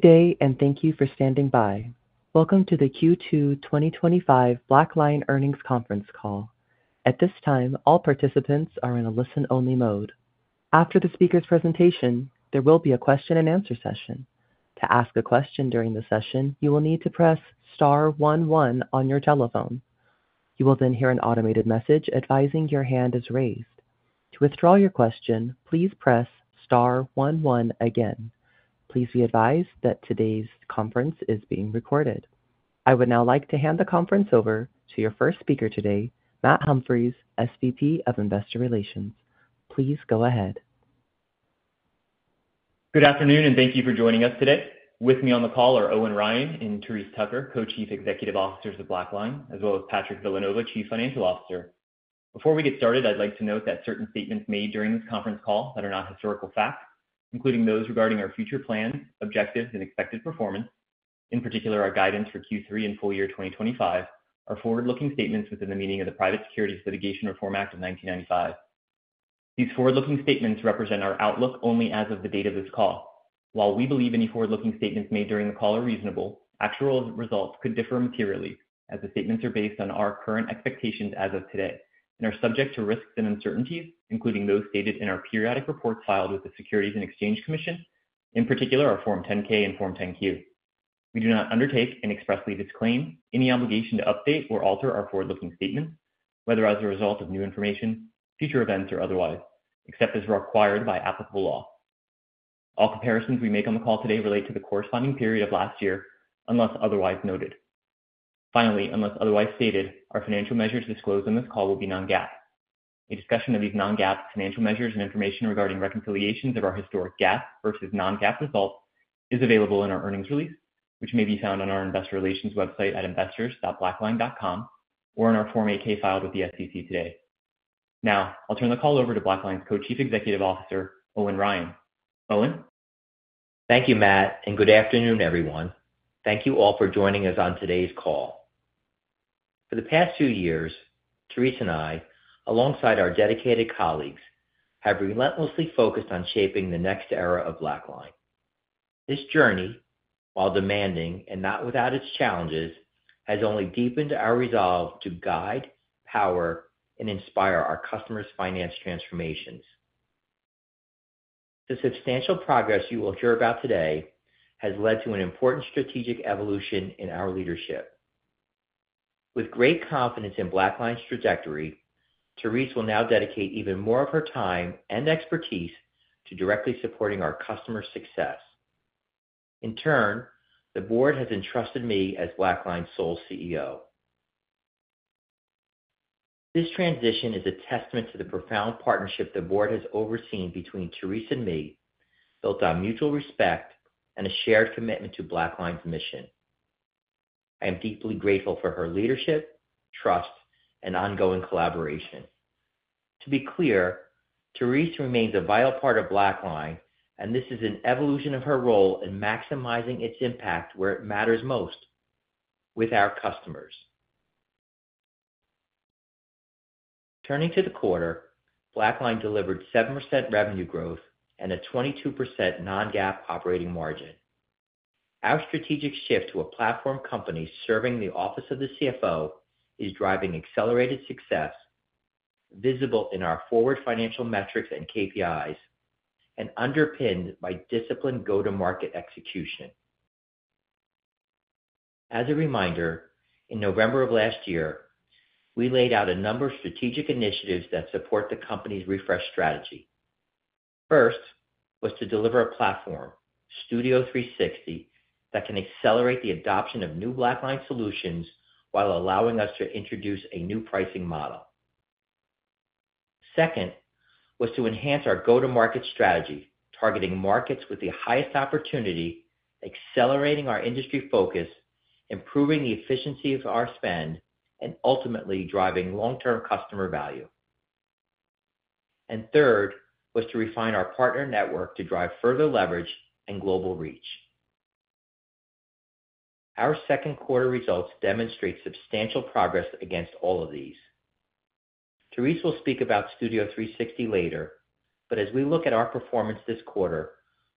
Good day, and thank you for standing by. Welcome to the Q2 2025 BlackLine Earnings Conference Call. At this time, all participants are in a listen-only mode. After the speaker's presentation, there will be a question and answer session. To ask a question during the session, you will need to press star one, one on your telephone. You will then hear an automated message advising your hand is raised. To withdraw your question, please press star one, one again. Please be advised that today's conference is being recorded. I would now like to hand the conference over to your first speaker today, Matt Humphries, SVP of Investor Relations. Please go ahead. Good afternoon and thank you for joining us today. With me on the call are Owen Ryan and Therese Tucker, Co-Chief Executive Officers of BlackLine, as well as Patrick Villanova, Chief Financial Officer. Before we get started, I'd like to note that certain statements made during this conference call that are not historical facts, including those regarding our future plan, objectives, and expected performance, in particular our guidance for Q3 and full year 2025, are forward-looking statements within the meaning of the Private Securities Litigation Reform Act of 1995. These forward-looking statements represent our outlook only as of the date of this call. While we believe any forward-looking statements made during the call are reasonable, actual results could differ materially as the statements are based on our current expectations as of today and are subject to risks and uncertainties, including those stated in our periodic reports filed with the Securities and Exchange Commission, in particular our Form 10-K and Form 10-Q. We do not undertake and expressly disclaim any obligation to update or alter our forward-looking statements, whether as a result of new information, future events, or otherwise, except as required by applicable law. All comparisons we make on the call today relate to the corresponding period of last year, unless otherwise noted. Finally, unless otherwise stated, our financial measures disclosed on this call will be non-GAAP. A discussion of these non-GAAP financial measures and information regarding reconciliations of our historic GAAP versus non-GAAP results is available in our earnings release, which may be found on our Investor Relations website at investors.blackline.com or in our Form 8-K filed with the SEC today. Now, I'll turn the call over to BlackLine's Co-Chief Executive Officer, Owen Ryan. Owen? Thank you, Matt, and good afternoon, everyone. Thank you all for joining us on today's call. For the past two years, Therese and I, alongside our dedicated colleagues, have relentlessly focused on shaping the next era of BlackLine. This journey, while demanding and not without its challenges, has only deepened our resolve to guide, power, and inspire our customers' finance transformations. The substantial progress you will hear about today has led to an important strategic evolution in our leadership. With great confidence in BlackLine's trajectory, Therese will now dedicate even more of her time and expertise to directly supporting our customers' success. In turn, the board has entrusted me as BlackLine's sole CEO. This transition is a testament to the profound partnership the board has overseen between Therese and me, built on mutual respect and a shared commitment to BlackLine's mission. I am deeply grateful for her leadership, trust, and ongoing collaboration. To be clear, Therese remains a vital part of BlackLine, and this is an evolution of her role in maximizing its impact where it matters most: with our customers. Turning to the quarter, BlackLine delivered 7% revenue growth and a 22% non-GAAP operating margin. Our strategic shift to a platform company serving the office of the CFO is driving accelerated success, visible in our forward financial metrics and KPIs, and underpinned by disciplined go-to-market execution. As a reminder, in November of last year, we laid out a number of strategic initiatives that support the company's refresh strategy. First was to deliver a platform, Studio360, that can accelerate the adoption of new BlackLine solutions while allowing us to introduce a new pricing model. Second was to enhance our go-to-market strategy, targeting markets with the highest opportunity, accelerating our industry focus, improving the efficiency of our spend, and ultimately driving long-term customer value. Third was to refine our partner network to drive further leverage and global reach. Our second quarter results demonstrate substantial progress against all of these. Therese will speak about Studio360 later, but as we look at our performance this quarter,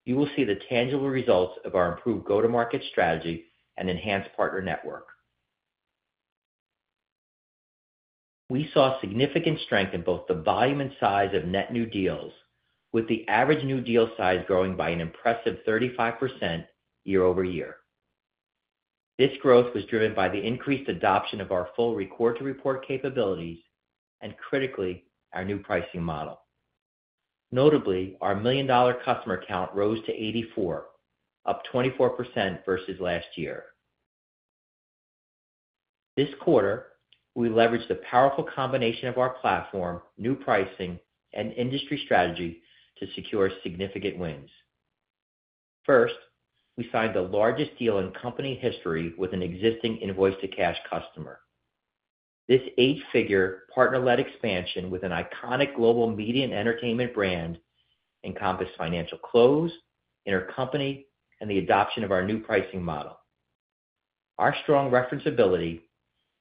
you will see the tangible results of our improved go-to-market strategy and enhanced partner network. We saw significant strength in both the volume and size of net new deals, with the average new deal size growing by an impressive 35% year-over-year. This growth was driven by the increased adoption of our full record-to-report capabilities and, critically, our new pricing model. Notably, our million-dollar customer count rose to 84, up 24% versus last year. This quarter, we leveraged the powerful combination of our platform, new pricing, and industry strategy to secure significant wins. First, we signed the largest deal in company history with an existing invoice-to-cash customer. This eight-figure partner-led expansion with an iconic global media and entertainment brand encompassed financial close, intercompany, and the adoption of our new pricing model. Our strong referenceability,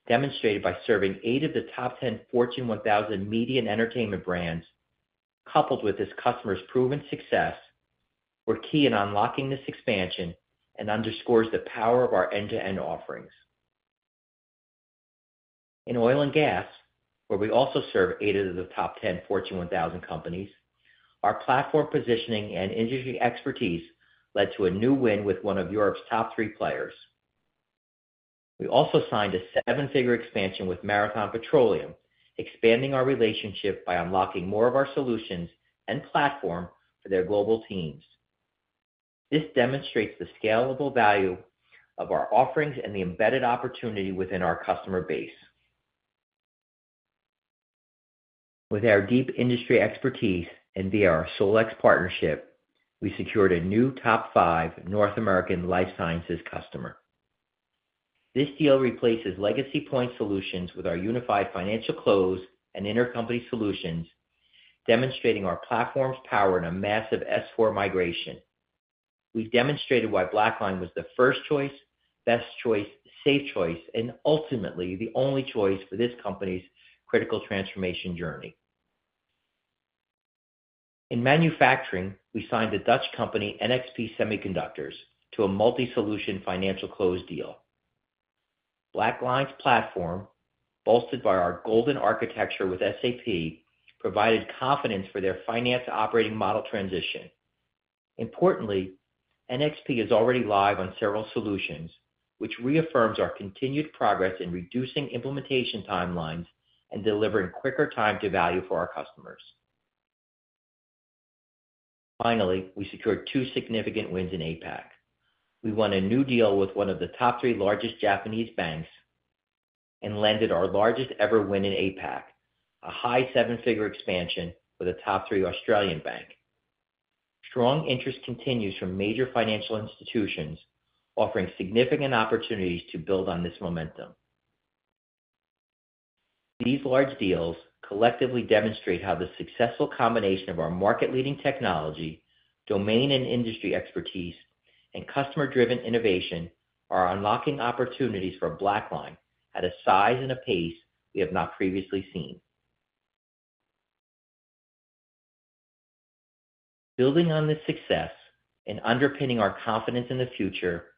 demonstrated by serving eight of the top 10 Fortune 1000 media and entertainment brands, coupled with this customer's proven success, were key in unlocking this expansion and underscores the power of our end-to-end offerings. In oil and gas, where we also serve eight of the top 10 Fortune 1000 companies, our platform positioning and industry expertise led to a new win with one of Europe's top three players. We also signed a seven-figure expansion with Marathon Petroleum, expanding our relationship by unlocking more of our solutions and platform for their global teams. This demonstrates the scalable value of our offerings and the embedded opportunity within our customer base. With our deep industry expertise and via our Solex partnership, we secured a new top five North American life sciences customer. This deal replaces legacy point solutions with our unified financial close and intercompany solutions, demonstrating our platform's power in a massive S4 migration. We demonstrated why BlackLine was the first choice, best choice, safe choice, and ultimately the only choice for this company's critical transformation journey. In manufacturing, we signed the Dutch company NXP Semiconductors to a multi-solution financial close deal. BlackLine's platform, bolstered by our golden architecture with SAP, provided confidence for their finance operating model transition. Importantly, NXP is already live on several solutions, which reaffirms our continued progress in reducing implementation timelines and delivering quicker time to value for our customers. Finally, we secured two significant wins in APAC. We won a new deal with one of the top three largest Japanese banks and landed our largest ever win in APAC, a high seven-figure expansion with a top three Australian bank. Strong interest continues from major financial institutions, offering significant opportunities to build on this momentum. These large deals collectively demonstrate how the successful combination of our market-leading technology, domain and industry expertise, and customer-driven innovation are unlocking opportunities for BlackLine at a size and a pace we have not previously seen. Building on this success and underpinning our confidence in the future,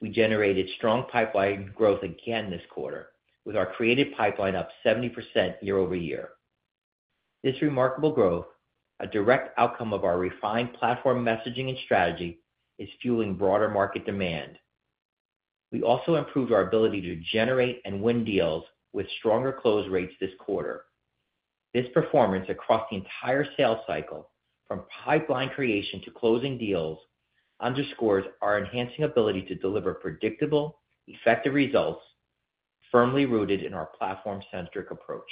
we generated strong pipeline growth again this quarter, with our created pipeline up 70% year-over-year. This remarkable growth, a direct outcome of our refined platform messaging and strategy, is fueling broader market demand. We also improved our ability to generate and win deals with stronger close rates this quarter. This performance across the entire sales cycle, from pipeline creation to closing deals, underscores our enhancing ability to deliver predictable, effective results, firmly rooted in our platform-centric approach.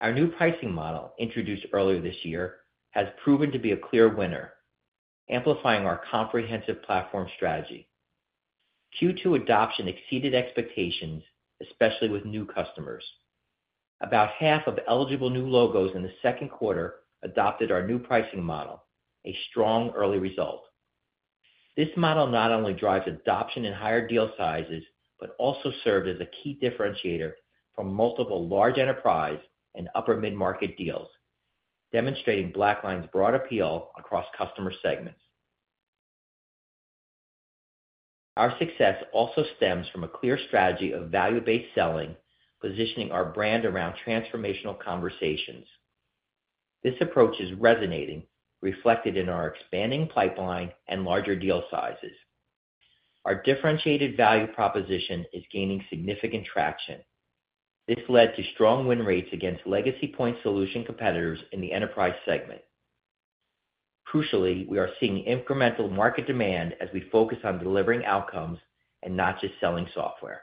Our new pricing model, introduced earlier this year, has proven to be a clear winner, amplifying our comprehensive platform strategy. Q2 adoption exceeded expectations, especially with new customers. About half of eligible new logos in the second quarter adopted our new pricing model, a strong early result. This model not only drives adoption and higher deal sizes, but also serves as a key differentiator for multiple large enterprise and upper mid-market deals, demonstrating BlackLine's broad appeal across customer segments. Our success also stems from a clear strategy of value-based selling, positioning our brand around transformational conversations. This approach is resonating, reflected in our expanding pipeline and larger deal sizes. Our differentiated value proposition is gaining significant traction. This led to strong win rates against legacy point solution competitors in the enterprise segment. Crucially, we are seeing incremental market demand as we focus on delivering outcomes and not just selling software.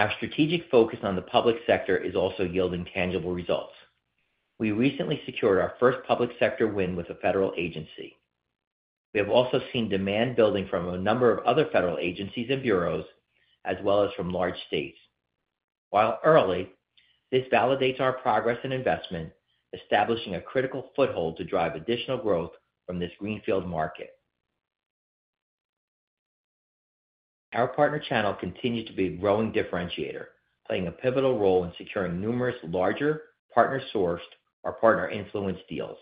Our strategic focus on the public sector is also yielding tangible results. We recently secured our first public sector win with a federal agency. We have also seen demand building from a number of other federal agencies and bureaus, as well as from large states. While early, this validates our progress and investment, establishing a critical foothold to drive additional growth from this greenfield market. Our partner channel continues to be a growing differentiator, playing a pivotal role in securing numerous larger partner-sourced or partner-influenced deals.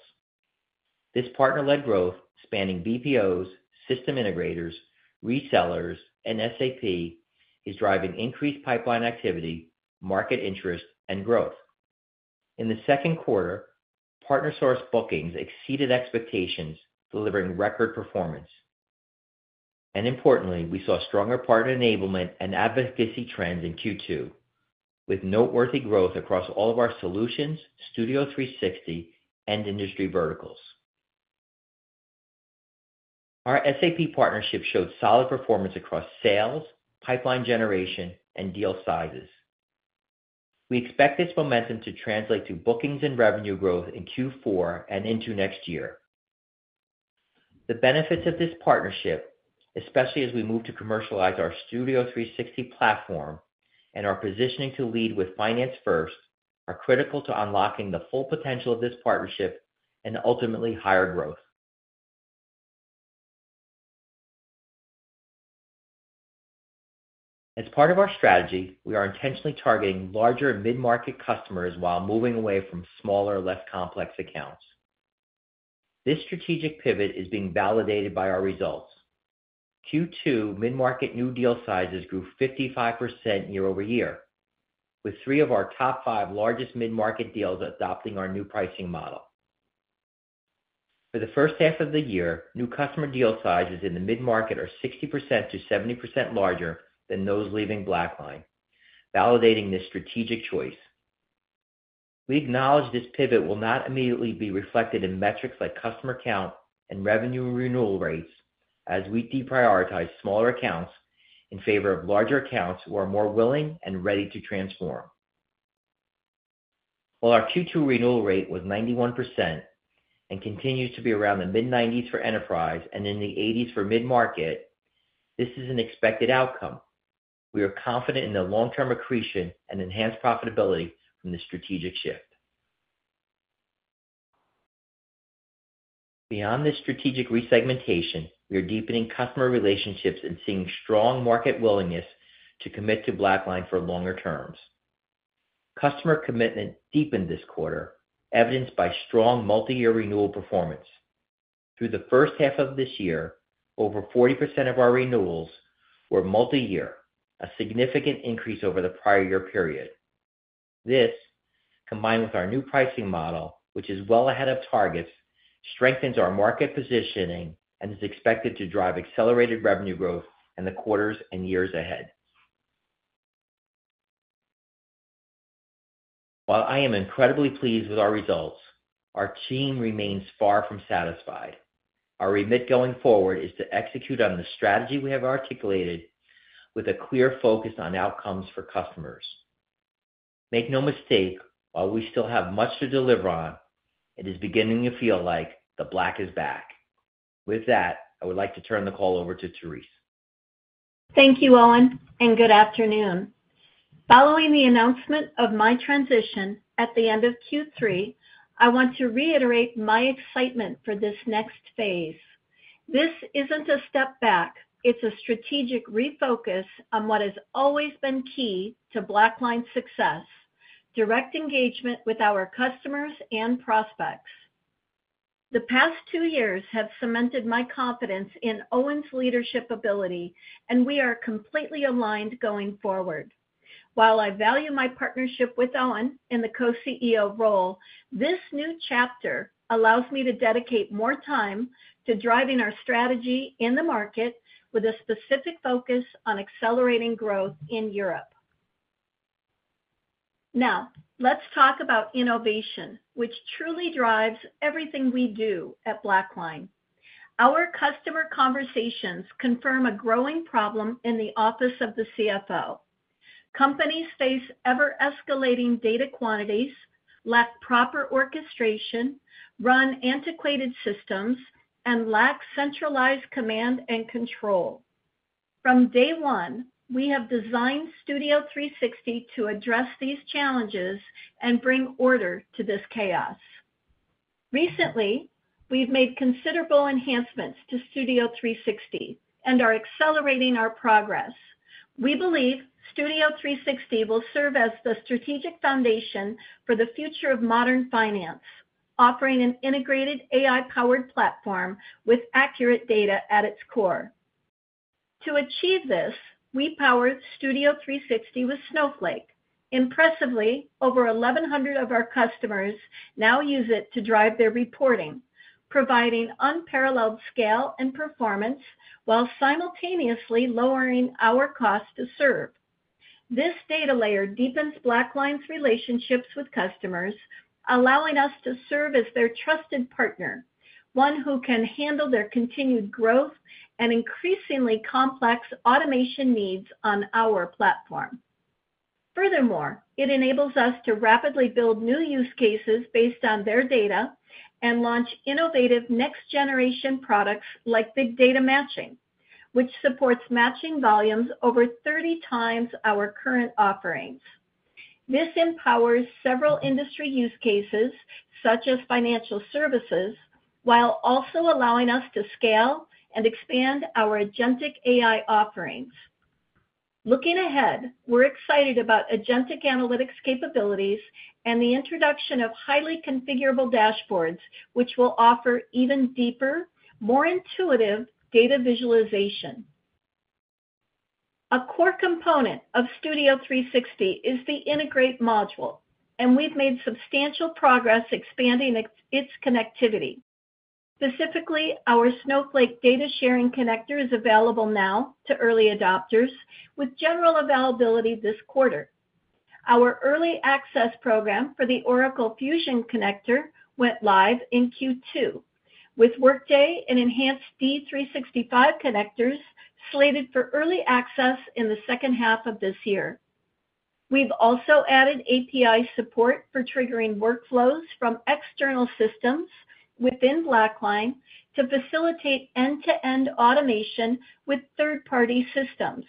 This partner-led growth, spanning BPOs, system integrators, resellers, and SAP, is driving increased pipeline activity, market interest, and growth. In the second quarter, partner-sourced bookings exceeded expectations, delivering record performance. Importantly, we saw stronger partner enablement and advocacy trends in Q2, with noteworthy growth across all of our solutions, Studio360, and industry verticals. Our SAP partnership showed solid performance across sales, pipeline generation, and deal sizes. We expect this momentum to translate to bookings and revenue growth in Q4 and into next year. The benefits of this partnership, especially as we move to commercialize our Studio360 platform and our positioning to lead with finance first, are critical to unlocking the full potential of this partnership and ultimately higher growth. As part of our strategy, we are intentionally targeting larger mid-market customers while moving away from smaller, less complex accounts. This strategic pivot is being validated by our results. Q2 mid-market new deal sizes grew 55% year-over-year, with three of our top five largest mid-market deals adopting our new pricing model. For the first half of the year, new customer deal sizes in the mid-market are 60% to 70% larger than those leaving BlackLine, validating this strategic choice. We acknowledge this pivot will not immediately be reflected in metrics like customer count and revenue renewal rates as we deprioritize smaller accounts in favor of larger accounts who are more willing and ready to transform. While our Q2 renewal rate was 91% and continues to be around the mid-90s for enterprise and in the 80s for mid-market, this is an expected outcome. We are confident in the long-term accretion and enhanced profitability from this strategic shift. Beyond this strategic resegmentation, we are deepening customer relationships and seeing strong market willingness to commit to BlackLine for longer terms. Customer commitment deepened this quarter, evidenced by strong multi-year renewal performance. Through the first half of this year, over 40% of our renewals were multi-year, a significant increase over the prior year period. This, combined with our new pricing model, which is well ahead of targets, strengthens our market positioning and is expected to drive accelerated revenue growth in the quarters and years ahead. While I am incredibly pleased with our results, our team remains far from satisfied. Our remit going forward is to execute on the strategy we have articulated with a clear focus on outcomes for customers. Make no mistake, while we still have much to deliver on, it is beginning to feel like the black is back. With that, I would like to turn the call over to Therese. Thank you, Owen, and good afternoon. Following the announcement of my transition at the end of Q3, I want to reiterate my excitement for this next phase. This isn't a step back; it's a strategic refocus on what has always been key to BlackLine's success: direct engagement with our customers and prospects. The past two years have cemented my confidence in Owen's leadership ability, and we are completely aligned going forward. While I value my partnership with Owen in the Co-CEO role, this new chapter allows me to dedicate more time to driving our strategy in the market, with a specific focus on accelerating growth in Europe. Now, let's talk about innovation, which truly drives everything we do at BlackLine. Our customer conversations confirm a growing problem in the office of the CFO. Companies face ever-escalating data quantities, lack proper orchestration, run antiquated systems, and lack centralized command and control. From day one, we have designed Studio360 to address these challenges and bring order to this chaos. Recently, we've made considerable enhancements to Studio360 and are accelerating our progress. We believe Studio360 will serve as the strategic foundation for the future of modern finance, offering an integrated AI-powered platform with accurate data at its core. To achieve this, we power Studio360 with Snowflake. Impressively, over 1,100 of our customers now use it to drive their reporting, providing unparalleled scale and performance while simultaneously lowering our cost to serve. This data layer deepens BlackLine's relationships with customers, allowing us to serve as their trusted partner, one who can handle their continued growth and increasingly complex automation needs on our platform. Furthermore, it enables us to rapidly build new use cases based on their data and launch innovative next-generation products like Big Data Matching, which supports matching volumes over 30 times our current offerings. This empowers several industry use cases, such as financial services, while also allowing us to scale and expand our Agentic AI offerings. Looking ahead, we're excited about Agentic Analytics capabilities and the introduction of highly configurable dashboards, which will offer even deeper, more intuitive data visualization. A core component of Studio360 is the Integrate module, and we've made substantial progress expanding its connectivity. Specifically, our Snowflake Data Sharing Connector is available now to early adopters, with general availability this quarter. Our early access program for the Oracle Fusion Connector went live in Q2, with Workday and enhanced D365 connectors slated for early access in the second half of this year. We've also added API support for triggering workflows from external systems within BlackLine to facilitate end-to-end automation with third-party systems.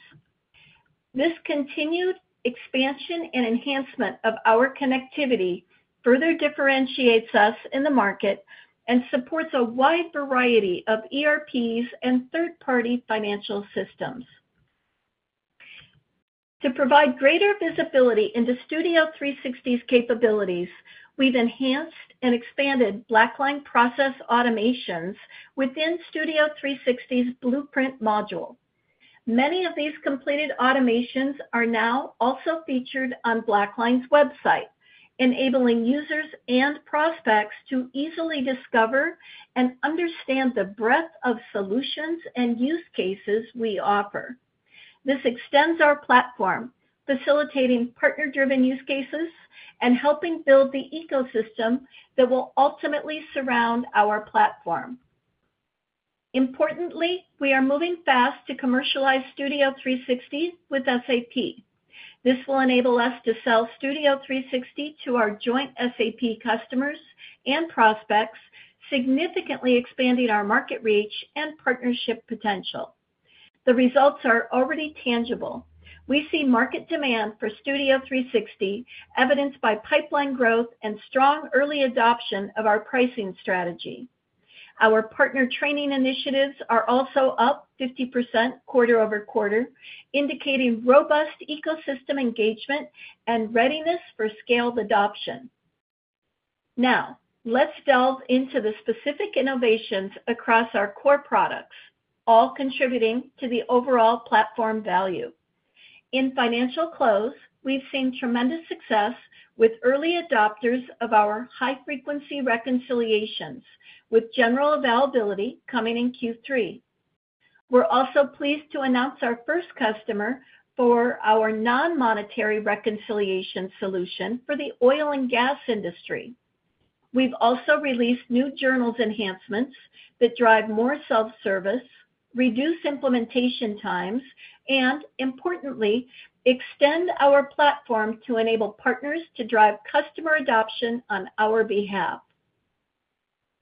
This continued expansion and enhancement of our connectivity further differentiates us in the market and supports a wide variety of ERPs and third-party financial systems. To provide greater visibility into Studio360's capabilities, we've enhanced and expanded BlackLine process automations within Studio360's Blueprint module. Many of these completed automations are now also featured on BlackLine's website, enabling users and prospects to easily discover and understand the breadth of solutions and use cases we offer. This extends our platform, facilitating partner-driven use cases and helping build the ecosystem that will ultimately surround our platform. Importantly, we are moving fast to commercialize Studio360 with SAP. This will enable us to sell Studio360 to our joint SAP customers and prospects, significantly expanding our market reach and partnership potential. The results are already tangible. We see market demand for Studio360, evidenced by pipeline growth and strong early adoption of our pricing strategy. Our partner training initiatives are also up 50% quarter-over-quarter, indicating robust ecosystem engagement and readiness for scaled adoption. Now, let's delve into the specific innovations across our core products, all contributing to the overall platform value. In financial close, we've seen tremendous success with early adopters of our high-frequency reconciliations, with general availability coming in Q3. We're also pleased to announce our first customer for our non-monetary reconciliation solution for the oil and gas industry. We've also released new journals enhancements that drive more self-service, reduce implementation times, and importantly, extend our platform to enable partners to drive customer adoption on our behalf.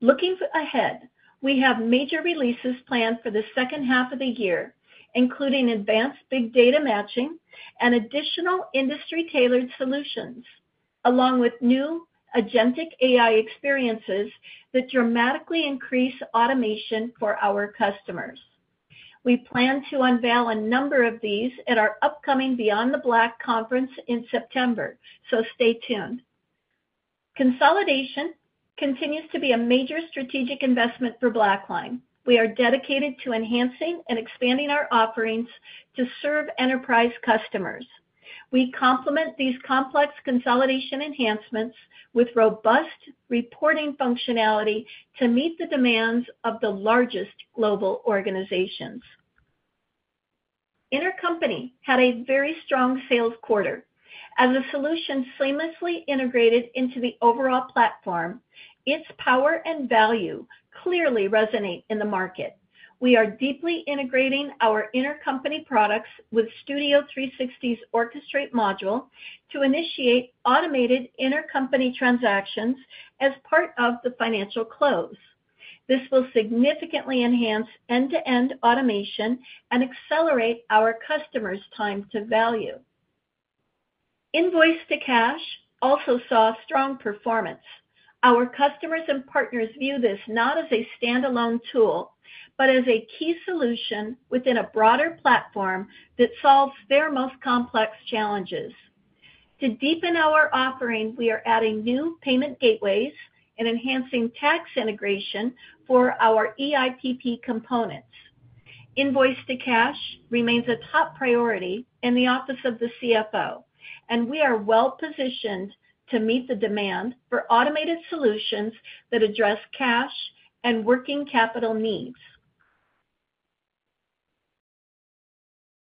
Looking ahead, we have major releases planned for the second half of the year, including advanced Big Data Matching and additional industry-tailored solutions, along with new Agentic AI experiences that dramatically increase automation for our customers. We plan to unveil a number of these at our upcoming BeyondTheBlack conference in September, so stay tuned. Consolidation continues to be a major strategic investment for BlackLine. We are dedicated to enhancing and expanding our offerings to serve enterprise customers. We complement these complex consolidation enhancements with robust reporting functionality to meet the demands of the largest global organizations. Intercompany had a very strong sales quarter. As a solution seamlessly integrated into the overall platform, its power and value clearly resonate in the market. We are deeply integrating our intercompany products with Studio360's Orchestrate module to initiate automated intercompany transactions as part of the financial close. This will significantly enhance end-to-end automation and accelerate our customers' time to value. Invoice-to-cash also saw strong performance. Our customers and partners view this not as a standalone tool, but as a key solution within a broader platform that solves their most complex challenges. To deepen our offering, we are adding new payment gateways and enhancing tax integration for our EIPP components. Invoice-to-cash remains a top priority in the office of the CFO, and we are well positioned to meet the demand for automated solutions that address cash and working capital needs.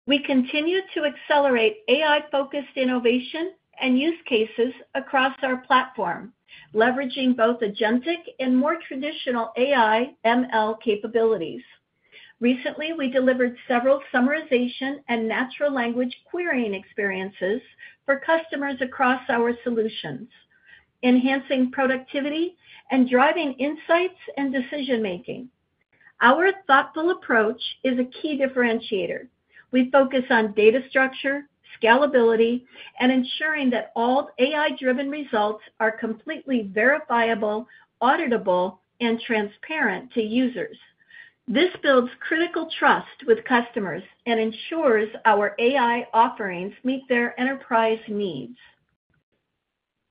We continue to accelerate AI-focused innovation and use cases across our platform, leveraging both Agentic and more traditional AI/ML capabilities. Recently, we delivered several summarization and natural language querying experiences for customers across our solutions, enhancing productivity and driving insights and decision-making. Our thoughtful approach is a key differentiator. We focus on data structure, scalability, and ensuring that all AI-driven results are completely verifiable, auditable, and transparent to users. This builds critical trust with customers and ensures our AI offerings meet their enterprise needs.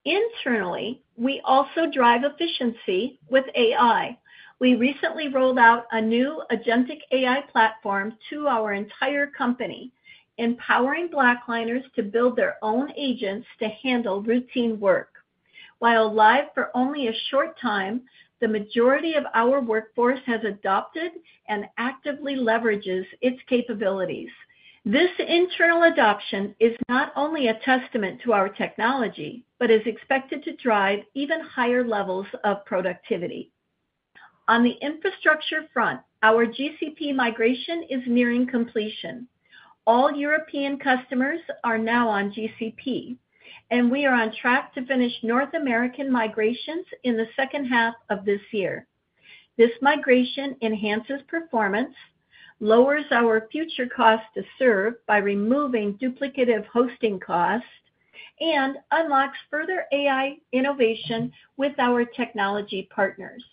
Internally, we also drive efficiency with AI. We recently rolled out a new Agentic AI platform to our entire company, empowering BlackLiners to build their own agents to handle routine work. While live for only a short time, the majority of our workforce has adopted and actively leverages its capabilities. This internal adoption is not only a testament to our technology, but is expected to drive even higher levels of productivity. On the infrastructure front, our GCP migration is nearing completion. All European customers are now on GCP, and we are on track to finish North American migrations in the second half of this year. This migration enhances performance, lowers our future cost to serve by removing duplicative hosting costs, and unlocks further AI innovation with our technology partners.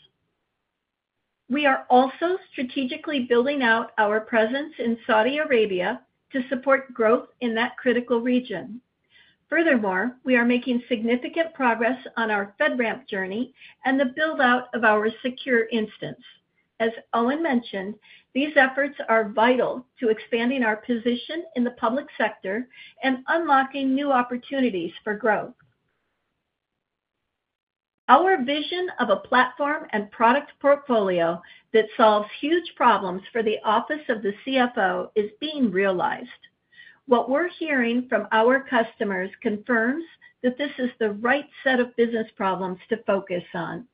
We are also strategically building out our presence in Saudi Arabia to support growth in that critical region. Furthermore, we are making significant progress on our FedRAMP journey and the build-out of our secure instance. As Owen mentioned, these efforts are vital to expanding our position in the public sector and unlocking new opportunities for growth. Our vision of a platform and product portfolio that solves huge problems for the office of the CFO is being realized. What we're hearing from our customers confirms that this is the right set of business problems to focus on.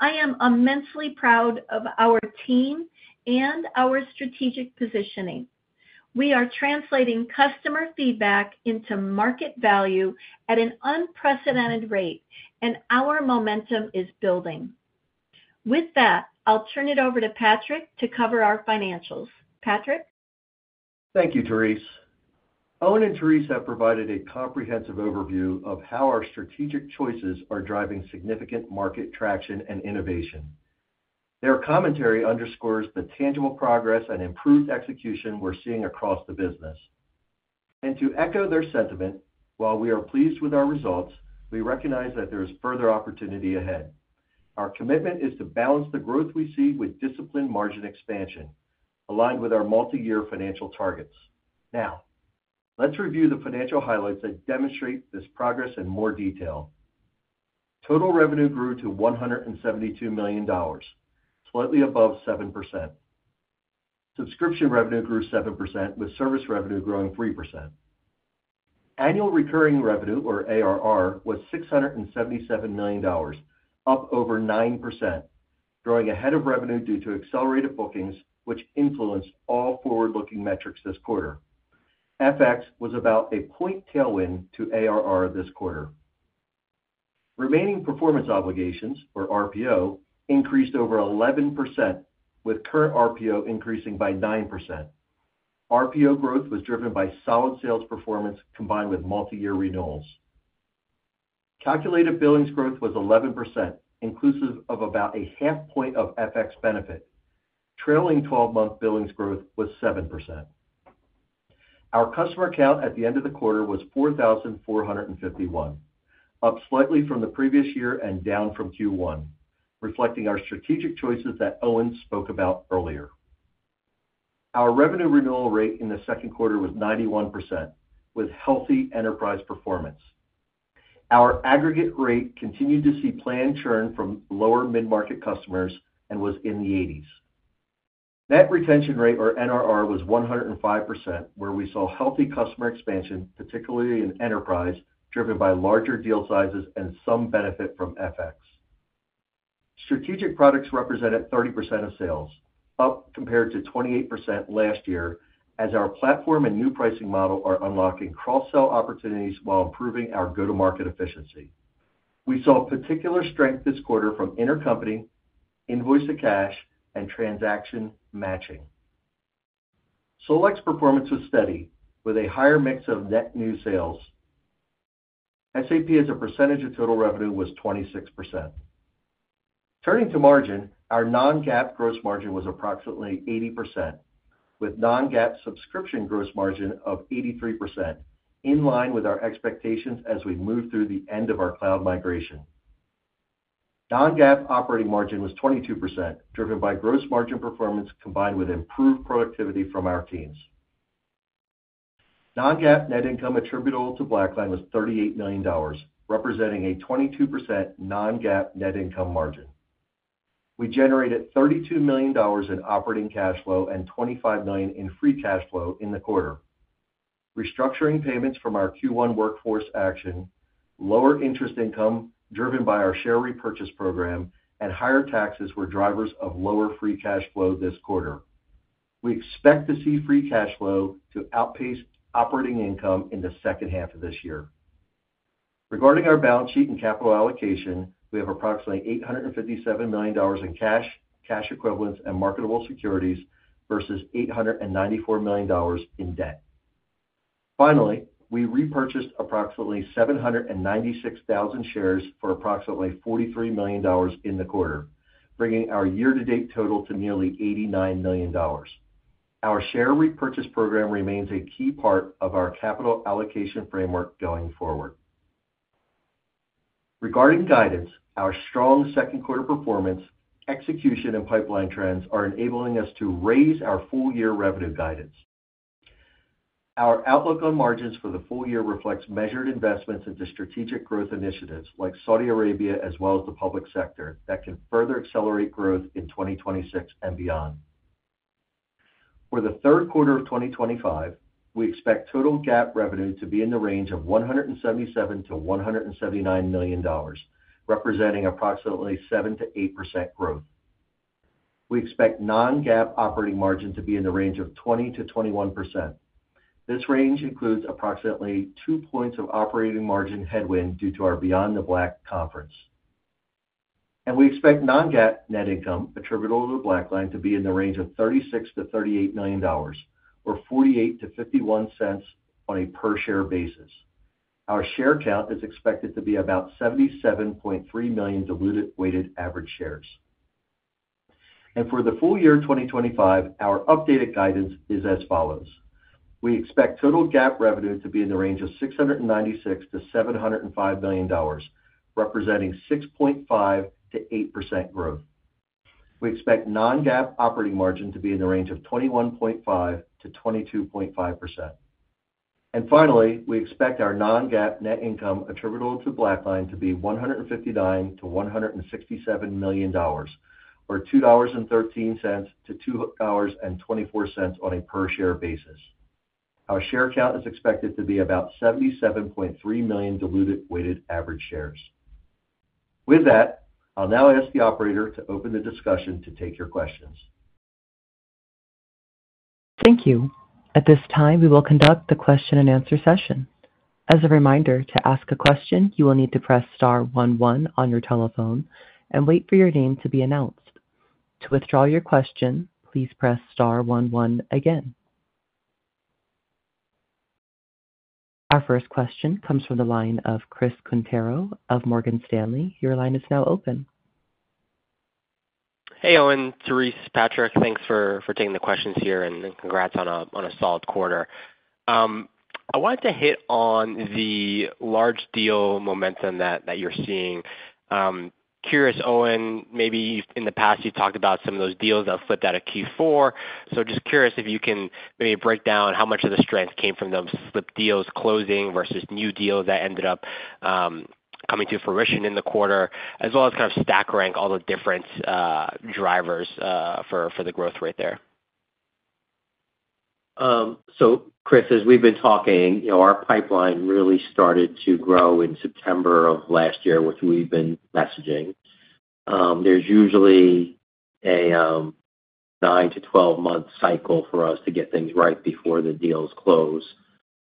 I am immensely proud of our team and our strategic positioning. We are translating customer feedback into market value at an unprecedented rate, and our momentum is building. With that, I'll turn it over to Patrick to cover our financials. Patrick? Thank you, Therese. Owen and Therese have provided a comprehensive overview of how our strategic choices are driving significant market traction and innovation. Their commentary underscores the tangible progress and improved execution we're seeing across the business. To echo their sentiment, while we are pleased with our results, we recognize that there is further opportunity ahead. Our commitment is to balance the growth we see with disciplined margin expansion, aligned with our multi-year financial targets. Now, let's review the financial highlights that demonstrate this progress in more detail. Total revenue grew to $172 million, slightly above 7%. Subscription revenue grew 7%, with service revenue growing 3%. Annual recurring revenue, or ARR, was $677 million, up over 9%, growing ahead of revenue due to accelerated bookings, which influenced all forward-looking metrics this quarter. FX was about a point tailwind to ARR this quarter. Remaining performance obligations, or RPO, increased over 11%, with current RPO increasing by 9%. RPO growth was driven by solid sales performance combined with multi-year renewals. Calculated billings growth was 11%, inclusive of about 0.5 of FX benefit. Trailing 12-month billings growth was 7%. Our customer count at the end of the quarter was 4,451, up slightly from the previous year and down from Q1, reflecting our strategic choices that Owen spoke about earlier. Our revenue renewal rate in the second quarter was 91%, with healthy enterprise performance. Our aggregate rate continued to see planned churn from lower mid-market customers and was in the 80s. Net retention rate, or NRR, was 105%, where we saw healthy customer expansion, particularly in enterprise, driven by larger deal sizes and some benefit from FX. Strategic products represented 30% of sales, up compared to 28% last year, as our platform and new pricing model are unlocking cross-sell opportunities while improving our go-to-market efficiency. We saw particular strength this quarter from intercompany, invoice-to-cash, and transaction matching. Solex performance was steady, with a higher mix of net new sales. SAP as a percentage of total revenue was 26%. Turning to margin, our non-GAAP gross margin was approximately 80%, with non-GAAP subscription gross margin of 83%, in line with our expectations as we move through the end of our cloud migration. Non-GAAP operating margin was 22%, driven by gross margin performance combined with improved productivity from our teams. Non-GAAP net income attributable to BlackLine was $38 million, representing a 22% non-GAAP net income margin. We generated $32 million in operating cash flow and $25 million in free cash flow in the quarter. Restructuring payments from our Q1 workforce action, lower interest income, driven by our share repurchase program, and higher taxes were drivers of lower free cash flow this quarter. We expect to see free cash flow to outpace operating income in the second half of this year. Regarding our balance sheet and capital allocation, we have approximately $857 million in cash, cash equivalents, and marketable securities versus $894 million in debt. Finally, we repurchased approximately 796,000 shares for approximately $43 million in the quarter, bringing our year-to-date total to nearly $89 million. Our share repurchase program remains a key part of our capital allocation framework going forward. Regarding guidance, our strong second-quarter performance, execution, and pipeline trends are enabling us to raise our full-year revenue guidance. Our outlook on margins for the full year reflects measured investments into strategic growth initiatives like Saudi Arabia, as well as the public sector, that can further accelerate growth in 2026 and beyond. For the third quarter of 2025, we expect total GAAP revenue to be in the range of $177 million-$179 million, representing approximately 7%-8% growth. We expect non-GAAP operating margin to be in the range of 20%-21%. This range includes approximately two points of operating margin headwind due to our BeyondTheBlack conference. We expect non-GAAP net income attributable to BlackLine to be in the range of $36 million-$38 million, or $0.48-$0.51 on a per-share basis. Our share count is expected to be about 77.3 million diluted weighted average shares. For the full year 2025, our updated guidance is as follows. We expect total GAAP revenue to be in the range of $696 million-$705 million, representing 6.5%-8% growth. We expect non-GAAP operating margin to be in the range of 21.5%-22.5%. Finally, we expect our non-GAAP net income attributable to BlackLine to be $159 million-$167 million, or $2.13-$2.24 on a per-share basis. Our share count is expected to be about 77.3 million diluted weighted average shares. With that, I'll now ask the operator to open the discussion to take your questions. Thank you. At this time, we will conduct the question and answer session. As a reminder, to ask a question, you will need to press star one, one on your telephone and wait for your name to be announced. To withdraw your question, please press star one, one again. Our first question comes from the line of Chris Quintero of Morgan Stanley. Your line is now open. Hey, Owen, Therese, Patrick, thanks for taking the questions here and congrats on a solid quarter. I wanted to hit on the large deal momentum that you're seeing. Curious, Owen, maybe in the past you've talked about some of those deals that flipped out of Q4. I'm just curious if you can maybe break down how much of the strength came from those flipped deals closing versus new deals that ended up coming to fruition in the quarter, as well as kind of stack rank all the different drivers for the growth rate there. Chris, as we've been talking, you know our pipeline really started to grow in September of last year, which we've been messaging. There's usually a 9-12 month cycle for us to get things right before the deals close.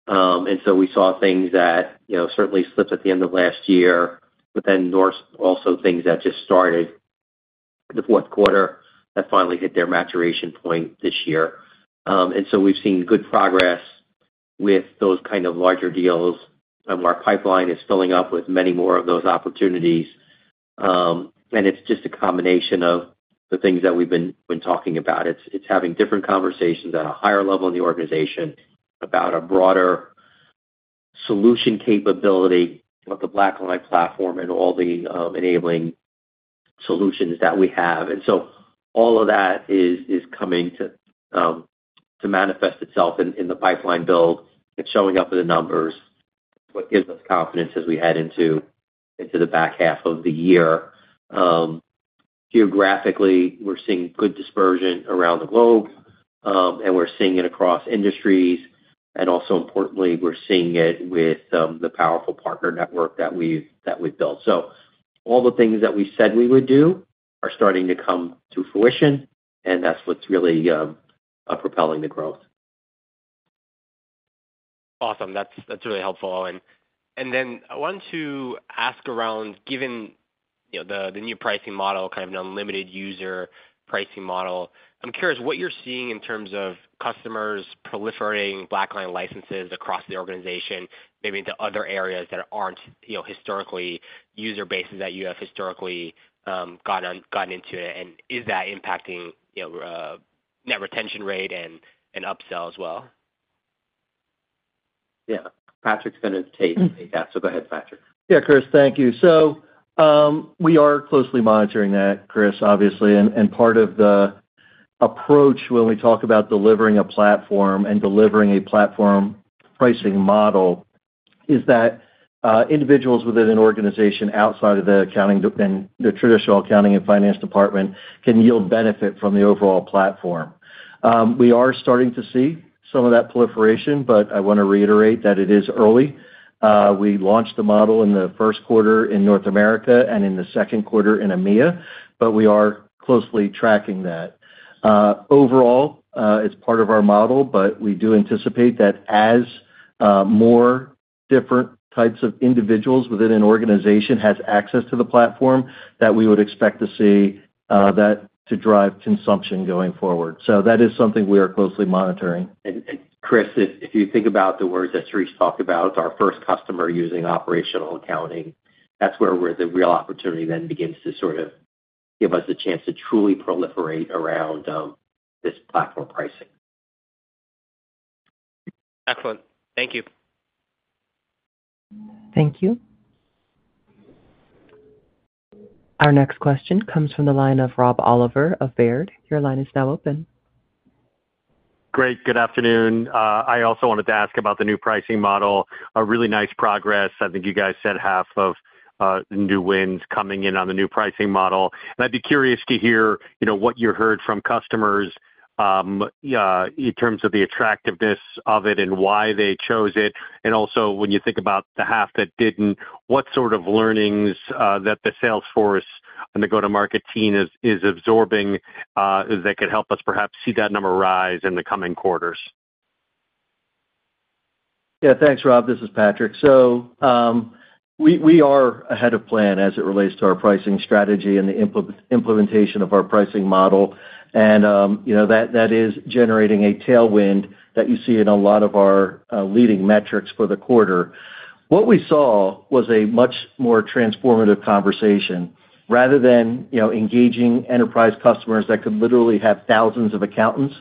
We saw things that certainly slipped at the end of last year, but then also things that just started the fourth quarter that finally hit their maturation point this year. We've seen good progress with those kind of larger deals. Our pipeline is filling up with many more of those opportunities. It's just a combination of the things that we've been talking about. It's having different conversations at a higher level in the organization about a broader solution capability with the BlackLine platform and all the enabling solutions that we have. All of that is coming to manifest itself in the pipeline build. It's showing up in the numbers, which gives us confidence as we head into the back half of the year. Geographically, we're seeing good dispersion around the globe, and we're seeing it across industries. Also importantly, we're seeing it with the powerful partner network that we've built. All the things that we said we would do are starting to come to fruition, and that's what's really propelling the growth. Awesome. That's really helpful, Owen. Then I wanted to ask around, given the new pricing model, kind of an unlimited user pricing model, I'm curious what you're seeing in terms of customers proliferating BlackLine licenses across the organization, maybe into other areas that aren't historically user bases that you have historically gotten into. Is that impacting net retention rate and upsell as well? Yeah, Patrick is going to take that. Go ahead, Patrick. Yeah, Chris, thank you. We are closely monitoring that, Chris, obviously. Part of the approach when we talk about delivering a platform and delivering a platform pricing model is that individuals within an organization outside of the traditional accounting and finance department can yield benefit from the overall platform. We are starting to see some of that proliferation, but I want to reiterate that it is early. We launched the model in the first quarter in North America and in the second quarter in EMEA, and we are closely tracking that. Overall, it's part of our model, and we do anticipate that as more different types of individuals within an organization have access to the platform, we would expect to see that drive consumption going forward. That is something we are closely monitoring. If you think about the words that Therese talked about, our first customer using operational accounting, that's where the real opportunity then begins to sort of give us a chance to truly proliferate around this platform pricing. Excellent. Thank you. Thank you. Our next question comes from the line of Rob Oliver of Baird. Your line is now open. Great. Good afternoon. I also wanted to ask about the new pricing model. Really nice progress. I think you guys said half of the new wins coming in on the new pricing model. I'd be curious to hear what you heard from customers in terms of the attractiveness of it and why they chose it. Also, when you think about the half that didn't, what sort of learnings that the sales force and the go-to-market team is absorbing that could help us perhaps see that number rise in the coming quarters? Yeah, thanks, Rob. This is Patrick. We are ahead of plan as it relates to our pricing strategy and the implementation of our pricing model. You know that is generating a tailwind that you see in a lot of our leading metrics for the quarter. What we saw was a much more transformative conversation. Rather than engaging enterprise customers that could literally have thousands of accountants,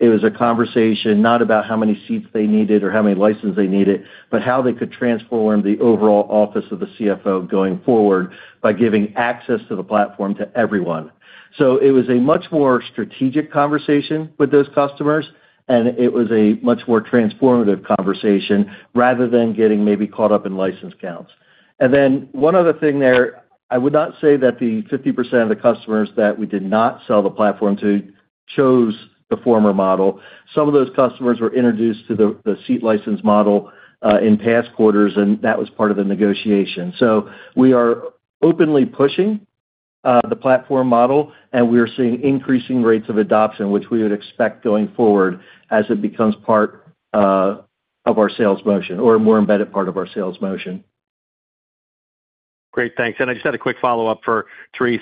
it was a conversation not about how many seats they needed or how many licenses they needed, but how they could transform the overall office of the CFO going forward by giving access to the platform to everyone. It was a much more strategic conversation with those customers, and it was a much more transformative conversation rather than getting maybe caught up in license counts. One other thing there, I would not say that the 50% of the customers that we did not sell the platform to chose the former model. Some of those customers were introduced to the seat license model in past quarters, and that was part of the negotiation. We are openly pushing the platform model, and we are seeing increasing rates of adoption, which we would expect going forward as it becomes part of our sales motion or a more embedded part of our sales motion. Great, thanks. I just had a quick follow-up for Therese,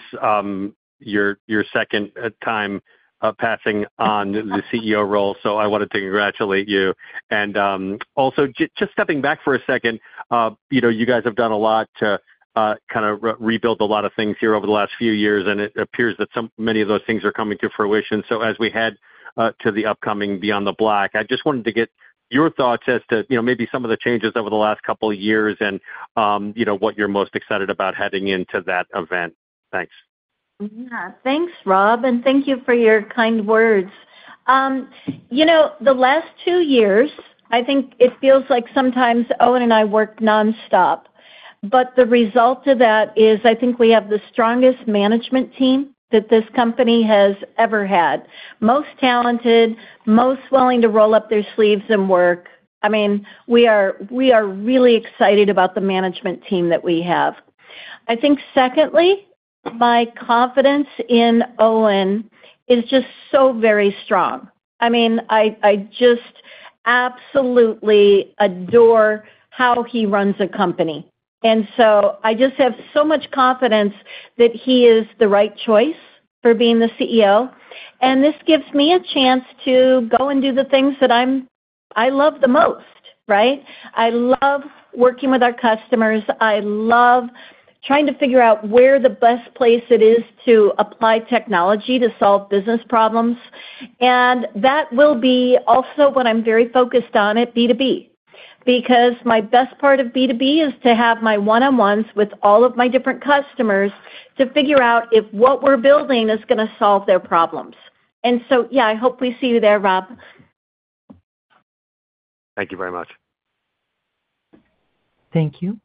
your second time passing on the CEO role. I wanted to congratulate you. Also, just stepping back for a second, you guys have done a lot to kind of rebuild a lot of things here over the last few years, and it appears that many of those things are coming to fruition. As we head to the upcoming BeyondTheBlack, I just wanted to get your thoughts as to maybe some of the changes over the last couple of years and what you're most excited about heading into that event. Thanks. Yeah, thanks, Rob, and thank you for your kind words. The last two years, I think it feels like sometimes Owen and I work nonstop. The result of that is I think we have the strongest management team that this company has ever had. Most talented, most willing to roll up their sleeves and work. We are really excited about the management team that we have. Secondly, my confidence in Owen is just so very strong. I just absolutely adore how he runs a company. I just have so much confidence that he is the right choice for being the CEO. This gives me a chance to go and do the things that I love the most, right? I love working with our customers. I love trying to figure out where the best place it is to apply technology to solve business problems. That will be also what I'm very focused on at B2B, because my best part of B2B is to have my one-on-ones with all of my different customers to figure out if what we're building is going to solve their problems. I hope we see you there, Rob. Thank you very much. Thank you.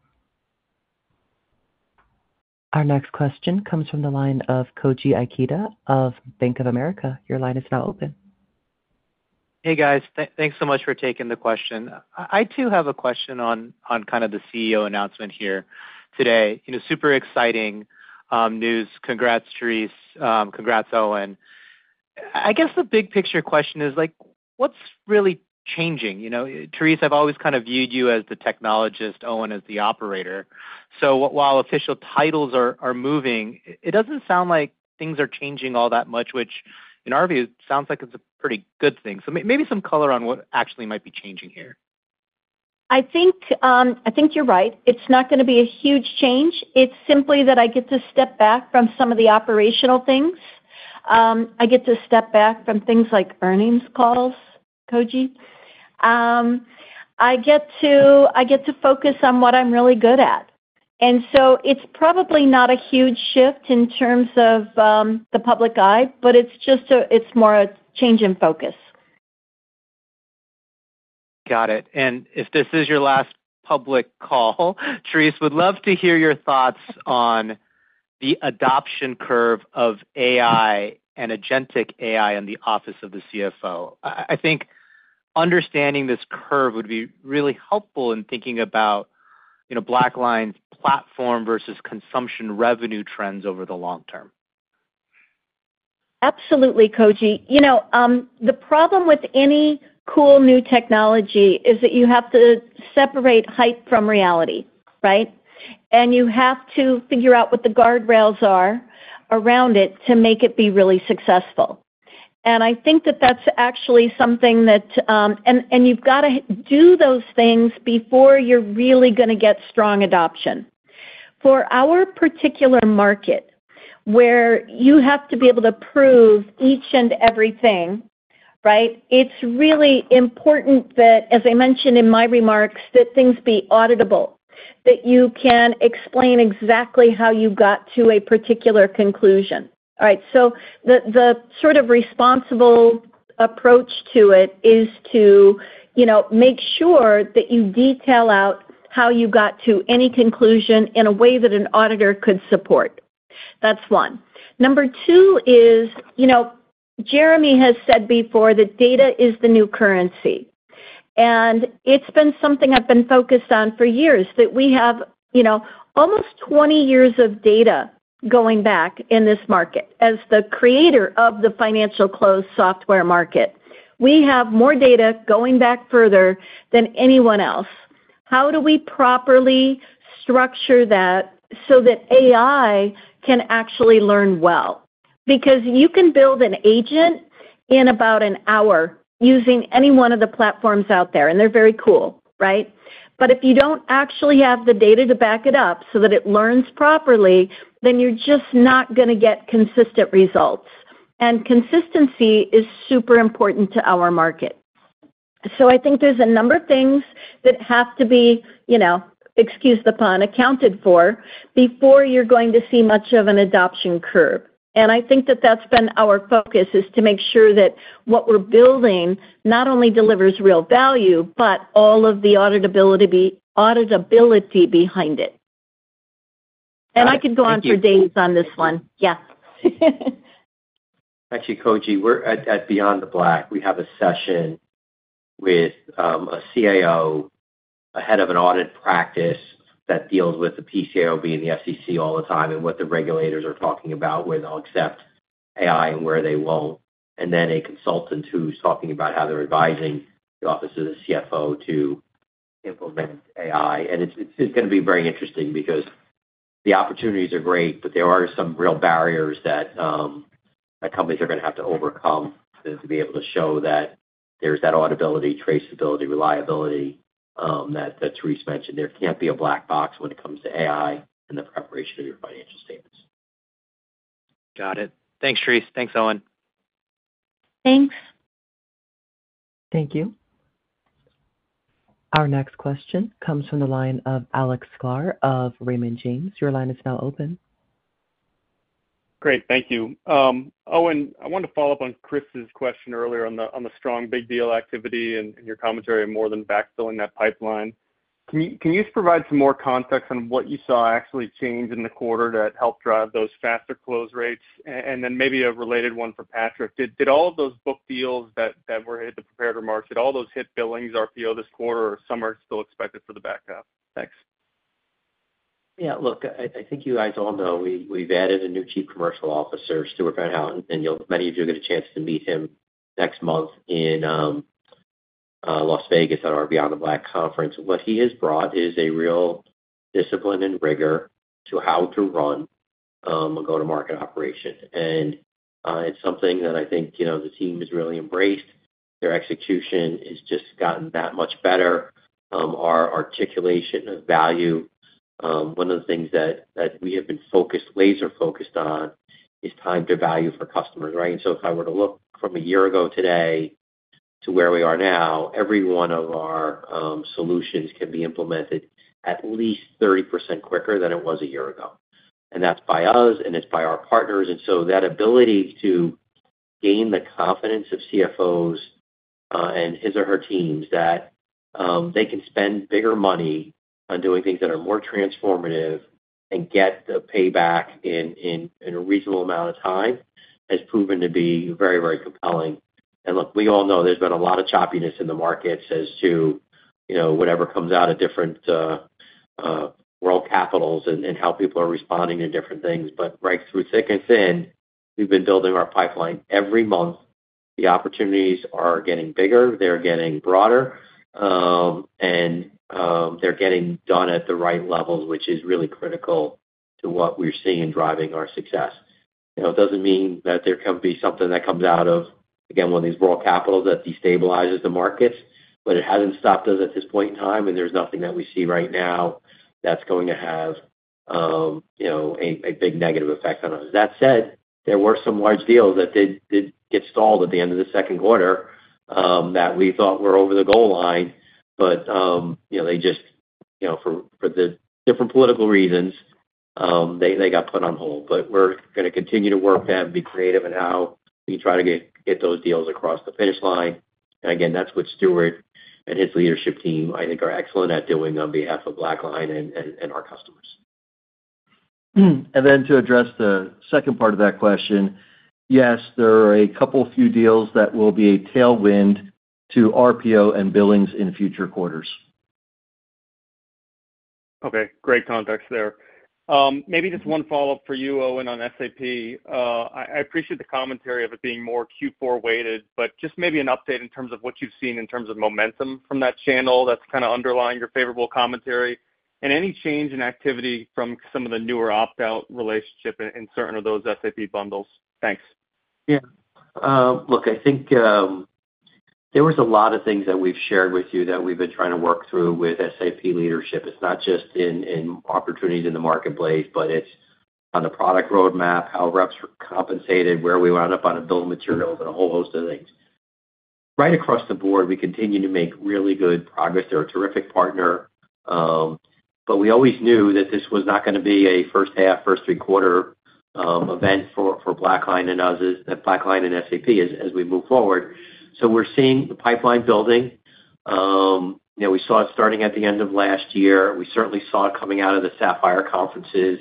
Our next question comes from the line of Koji Aikita of Bank of America. Your line is now open. Hey, guys. Thanks so much for taking the question. I too have a question on kind of the CEO announcement here today. You know, super exciting news. Congrats, Therese. Congrats, Owen. I guess the big picture question is, like, what's really changing? You know, Therese, I've always kind of viewed you as the technologist, Owen as the operator. While official titles are moving, it doesn't sound like things are changing all that much, which in our view sounds like it's a pretty good thing. Maybe some color on what actually might be changing here. I think you're right. It's not going to be a huge change. It's simply that I get to step back from some of the operational things. I get to step back from things like earnings calls, Koji. I get to focus on what I'm really good at. It's probably not a huge shift in terms of the public eye, but it's just a bit more change in focus. Got it. If this is your last public call, Therese, would love to hear your thoughts on the adoption curve of AI and Agentic AI in the office of the CFO. I think understanding this curve would be really helpful in thinking about BlackLine's platform versus consumption revenue trends over the long term. Absolutely, Koji. The problem with any cool new technology is that you have to separate hype from reality, right? You have to figure out what the guardrails are around it to make it be really successful. I think that that's actually something that, and you've got to do those things before you're really going to get strong adoption. For our particular market, where you have to be able to prove each and everything, right, it's really important that, as I mentioned in my remarks, things be auditable, that you can explain exactly how you got to a particular conclusion. The sort of responsible approach to it is to make sure that you detail out how you got to any conclusion in a way that an auditor could support. That's one. Number two is, Jeremy has said before that data is the new currency. It's been something I've been focused on for years, that we have almost 20 years of data going back in this market. As the creator of the financial close software market, we have more data going back further than anyone else. How do we properly structure that so that AI can actually learn well? You can build an agent in about an hour using any one of the platforms out there, and they're very cool, right? If you don't actually have the data to back it up so that it learns properly, then you're just not going to get consistent results. Consistency is super important to our market. I think there's a number of things that have to be accounted for before you're going to see much of an adoption curve. I think that that's been our focus, to make sure that what we're building not only delivers real value, but all of the auditability behind it. I could go on for days on this one. Yeah. Actually, Koji, we're at BeyondTheBlack. We have a session with a CAO, a Head of an Audit Practice that deals with the PCAOB, being the FCC all the time, and what the regulators are talking about, where they'll accept AI and where they won't. There is also a consultant who's talking about how they're advising the office of the CFO to implement AI. It's going to be very interesting because the opportunities are great, but there are some real barriers that companies are going to have to overcome to be able to show that there's that auditability, traceability, reliability that Therese mentioned. There can't be a black box when it comes to AI in the preparation of your financial statements. Got it. Thanks, Therese. Thanks, Owen. Thanks. Thank you. Our next question comes from the line of Alex Sklar of Raymond James. Your line is now open. Great, thank you. Owen, I wanted to follow up on Chris's question earlier on the strong big deal activity and your commentary on more than backfilling that pipeline. Can you just provide some more context on what you saw actually change in the quarter that helped drive those faster close rates? Maybe a related one for Patrick. Did all of those book deals that were hit at the prepared remarks, did all those hit billings RPO this quarter, or are some still expected for the backup? Thanks. Yeah, look, I think you guys all know we've added a new Chief Commercial Officer to our panel, and many of you will get a chance to meet him next month in Las Vegas at our BeyondTheBlack conference. What he has brought is a real discipline and rigor to how to run a go-to-market operation. It's something that I think the team has really embraced. Their execution has just gotten that much better. Our articulation of value, one of the things that we have been laser-focused on is time to value for customers, right? If I were to look from a year ago today to where we are now, every one of our solutions can be implemented at least 30% quicker than it was a year ago. That's by us, and it's by our partners. That ability to gain the confidence of CFOs and his or her teams that they can spend bigger money on doing things that are more transformative and get the payback in a reasonable amount of time has proven to be very, very compelling. We all know there's been a lot of choppiness in the markets as to whatever comes out of different world capitals and how people are responding to different things. Right through thick and thin, we've been building our pipeline every month. The opportunities are getting bigger, they're getting broader, and they're getting done at the right levels, which is really critical to what we're seeing and driving our success. It doesn't mean that there can be something that comes out of, again, one of these world capitals that destabilizes the markets, but it hasn't stopped us at this point in time, and there's nothing that we see right now that's going to have a big negative effect on us. That said, there were some large deals that did get stalled at the end of the second quarter that we thought were over the goal line, but for the different political reasons, they got put on hold. We're going to continue to work to have to be creative in how we try to get those deals across the finish line. That's what Stewart and his leadership team, I think, are excellent at doing on behalf of BlackLine and our customers. To address the second part of that question, yes, there are a couple of deals that will be a tailwind to RPO and billings in future quarters. Okay, great context there. Maybe just one follow-up for you, Owen, on SAP. I appreciate the commentary of it being more Q4 weighted, but just maybe an update in terms of what you've seen in terms of momentum from that channel that's kind of underlying your favorable commentary and any change in activity from some of the newer opt-out relationship in certain of those SAP bundles. Thanks. Yeah, look, I think there were a lot of things that we've shared with you that we've been trying to work through with SAP leadership. It's not just in opportunities in the marketplace, but it's on the product roadmap, how reps are compensated, where we wound up on a bill of materials, and a whole host of things. Right across the board, we continue to make really good progress. They're a terrific partner. We always knew that this was not going to be a first half, first three-quarter event for BlackLine and SAP as we move forward. We're seeing pipeline building. We saw it starting at the end of last year. We certainly saw it coming out of the SAP Buyer conferences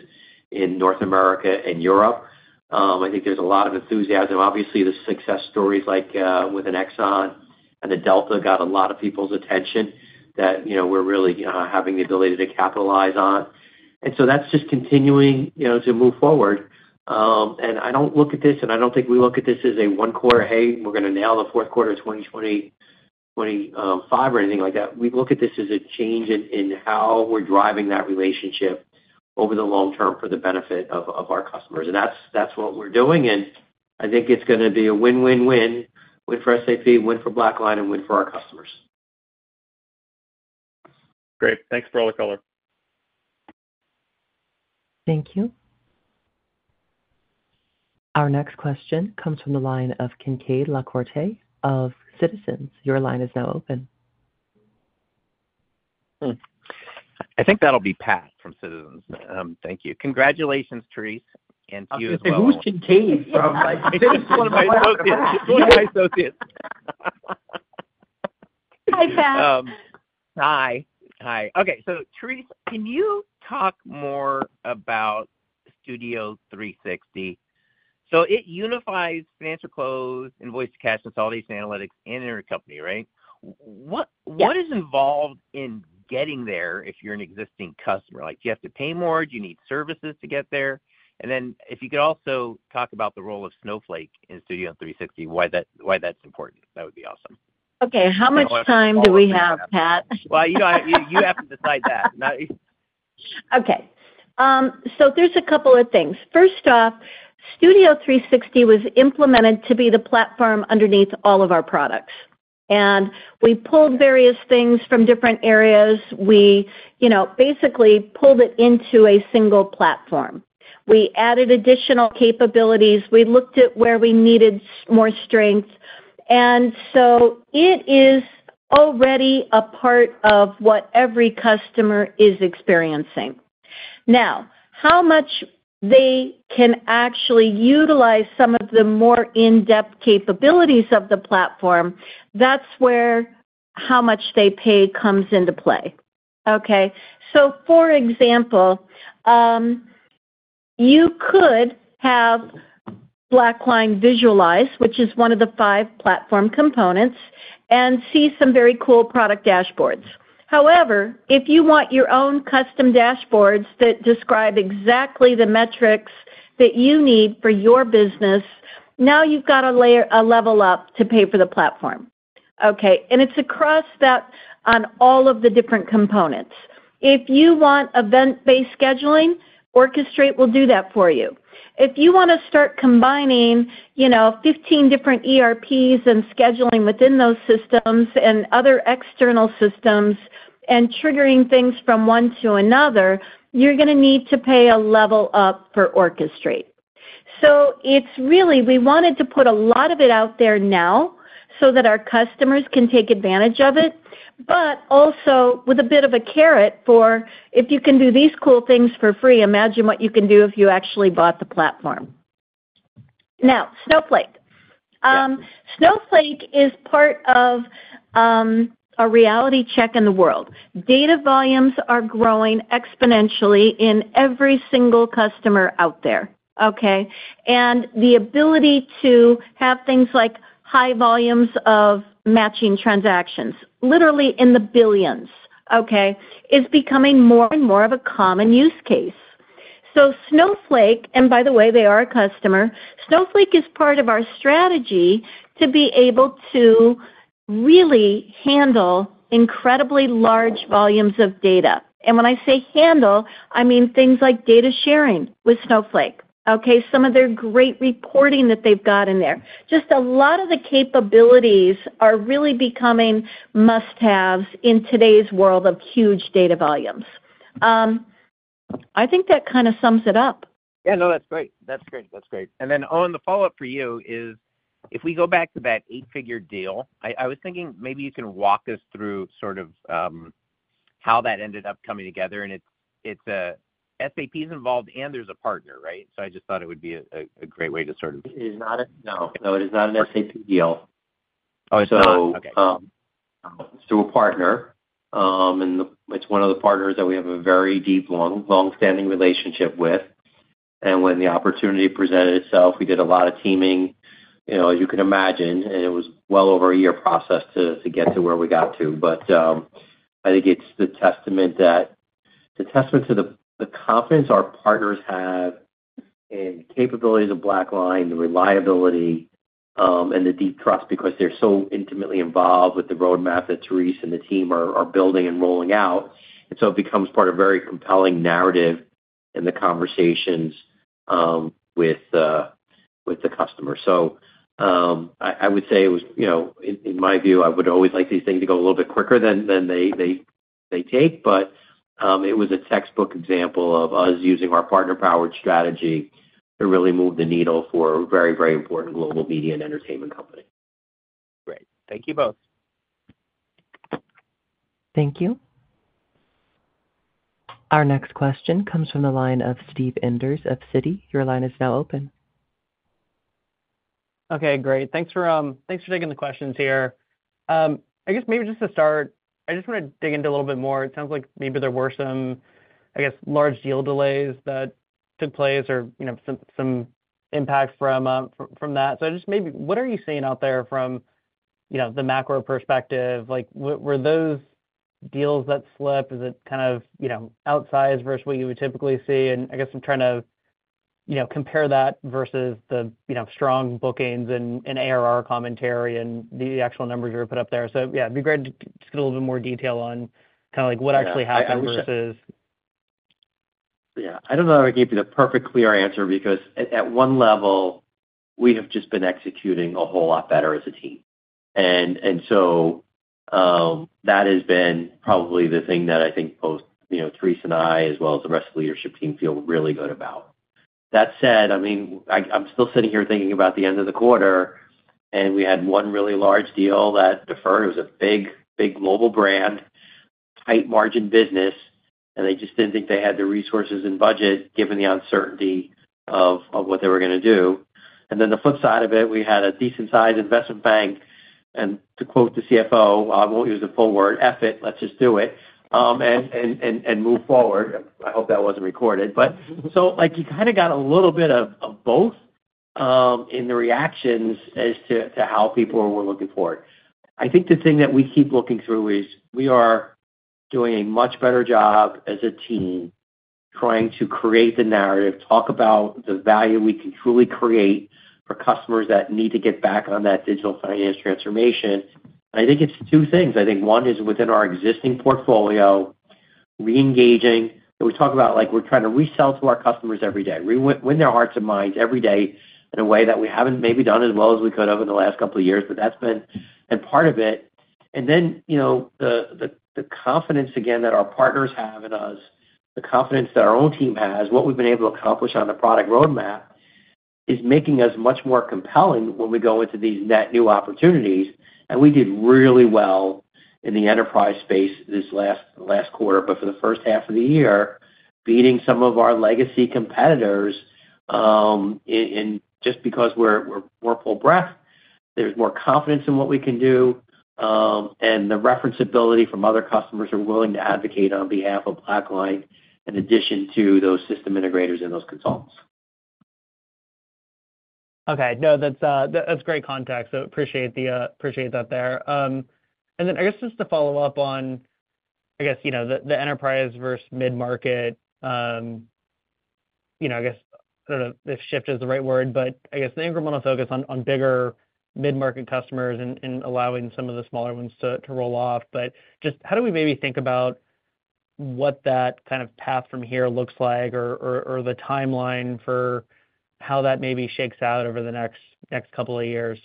in North America and Europe. I think there's a lot of enthusiasm. Obviously, the success stories like with an Exxon and the Delta got a lot of people's attention that we're really having the ability to capitalize on. That's just continuing to move forward. I don't look at this, and I don't think we look at this as a one quarter, hey, we're going to nail the fourth quarter of 2025 or anything like that. We look at this as a change in how we're driving that relationship over the long term for the benefit of our customers. That's what we're doing. I think it's going to be a win-win-win, win for SAP, win for BlackLine, and win for our customers. Great. Thanks for all the color. Thank you. Our next question comes from the line of Kincaid La Corte of Citizens. Your line is now open. I think that'll be Patrick from Citizens. Thank you. Congratulations, Therese. I was going to say, who's Kincaid? It's one of my associates. Hi, Pat. Hi. Okay, so Therese, can you talk more about Studio360? It unifies financial close, invoice-to-cash, consolidation analytics, and intercompany. Right? What is involved in getting there if you're an existing customer? Do you have to pay more? Do you need services to get there? If you could also talk about the role of Snowflake in Studio360, why that's important, that would be awesome. Okay, how much time do we have, Pat? You have to decide that. Okay. There are a couple of things. First off, Studio360 was implemented to be the platform underneath all of our products. We pulled various things from different areas. We basically pulled it into a single platform. We added additional capabilities. We looked at where we needed more strength. It is already a part of what every customer is experiencing. How much they can actually utilize some of the more in-depth capabilities of the platform, that's where how much they pay comes into play. For example, you could have BlackLine visualized, which is one of the five platform components, and see some very cool product dashboards. However, if you want your own custom dashboards that describe exactly the metrics that you need for your business, now you've got to layer a level up to pay for the platform. It's across that on all of the different components. If you want event-based scheduling, Orchestrate will do that for you. If you want to start combining 15 different ERPs and scheduling within those systems and other external systems and triggering things from one to another, you're going to need to pay a level up for Orchestrate. We wanted to put a lot of it out there now so that our customers can take advantage of it, but also with a bit of a carrot for if you can do these cool things for free, imagine what you can do if you actually bought the platform. Now, Snowflake. Snowflake is part of a reality check in the world. Data volumes are growing exponentially in every single customer out there. The ability to have things like high volumes of matching transactions, literally in the billions, is becoming more and more of a common use case. Snowflake, and by the way, they are a customer, is part of our strategy to be able to really handle incredibly large volumes of data. When I say handle, I mean things like data sharing with Snowflake. Some of their great reporting that they've got in there. A lot of the capabilities are really becoming must-haves in today's world of huge data volumes. I think that kind of sums it up. Yeah, that's great. That's great. Owen, the follow-up for you is if we go back to that eight-figure deal, I was thinking maybe you can walk us through sort of how that ended up coming together. SAP's involved and there's a partner, right? I just thought it would be a great way to sort of. No. No, it is not an SAP deal. It's through a partner. It's one of the partners that we have a very deep, long-standing relationship with. When the opportunity presented itself, we did a lot of teaming, you know, as you can imagine, and it was well over a year process to get to where we got to. I think it's the testament to the confidence our partners have in the capabilities of BlackLine, the reliability, and the deep trust because they're so intimately involved with the roadmap that Therese and the team are building and rolling out. It becomes part of a very compelling narrative in the conversations with the customer. I would say it was, in my view, I would always like these things to go a little bit quicker than they take, but it was a textbook example of us using our partner-powered strategy to really move the needle for a very, very important global media and entertainment company. Great. Thank you both. Thank you. Our next question comes from the line of Steve Enders of Citi. Your line is now open. Okay, great. Thanks for taking the questions here. I guess maybe just to start, I just want to dig into a little bit more. It sounds like maybe there were some large deal delays that took place or some impact from that. I just maybe, what are you seeing out there from the macro perspective? Like, were those deals that slipped? Is it kind of outsized versus what you would typically see? I guess I'm trying to compare that versus the strong bookings and annual recurring revenue commentary and the actual numbers you put up there. It'd be great to just get a little bit more detail on what actually happened versus. Yeah, I don't know if I can give you the perfect clear answer because at one level, we have just been executing a whole lot better as a team. That has been probably the thing that I think both Therese and I, as well as the rest of the leadership team, feel really good about. That said, I'm still sitting here thinking about the end of the quarter, and we had one really large deal that deferred. It was a big, big global brand, tight margin business, and they just didn't think they had the resources and budget given the uncertainty of what they were going to do. The flip side of it, we had a decent-sized investment bank, and to quote the CFO, I won't use the full word, effort, let's just do it, and move forward. I hope that wasn't recorded. You kind of got a little bit of both in the reactions as to how people were looking forward. I think the thing that we keep looking through is we are doing a much better job as a team trying to create the narrative, talk about the value we can truly create for customers that need to get back on that digital finance transformation. I think it's two things. I think one is within our existing portfolio, re-engaging. We talk about like we're trying to resell to our customers every day, win their hearts and minds every day in a way that we haven't maybe done as well as we could over the last couple of years, but that's been part of it. The confidence again that our partners have in us, the confidence that our own team has, what we've been able to accomplish on the product roadmap is making us much more compelling when we go into these net new opportunities. We did really well in the enterprise space this last quarter, but for the first half of the year, beating some of our legacy competitors. Just because we're more full breadth, there's more confidence in what we can do, and the referenceability from other customers who are willing to advocate on behalf of BlackLine in addition to those system integrators and those consultants. Okay, that's great context. I appreciate that. I guess just to follow up on the enterprise versus mid-market, I don't know if shift is the right word, but the incremental focus on bigger mid-market customers and allowing some of the smaller ones to roll off. How do we maybe think about what that kind of path from here looks like or the timeline for how that maybe shakes out over the next couple of years?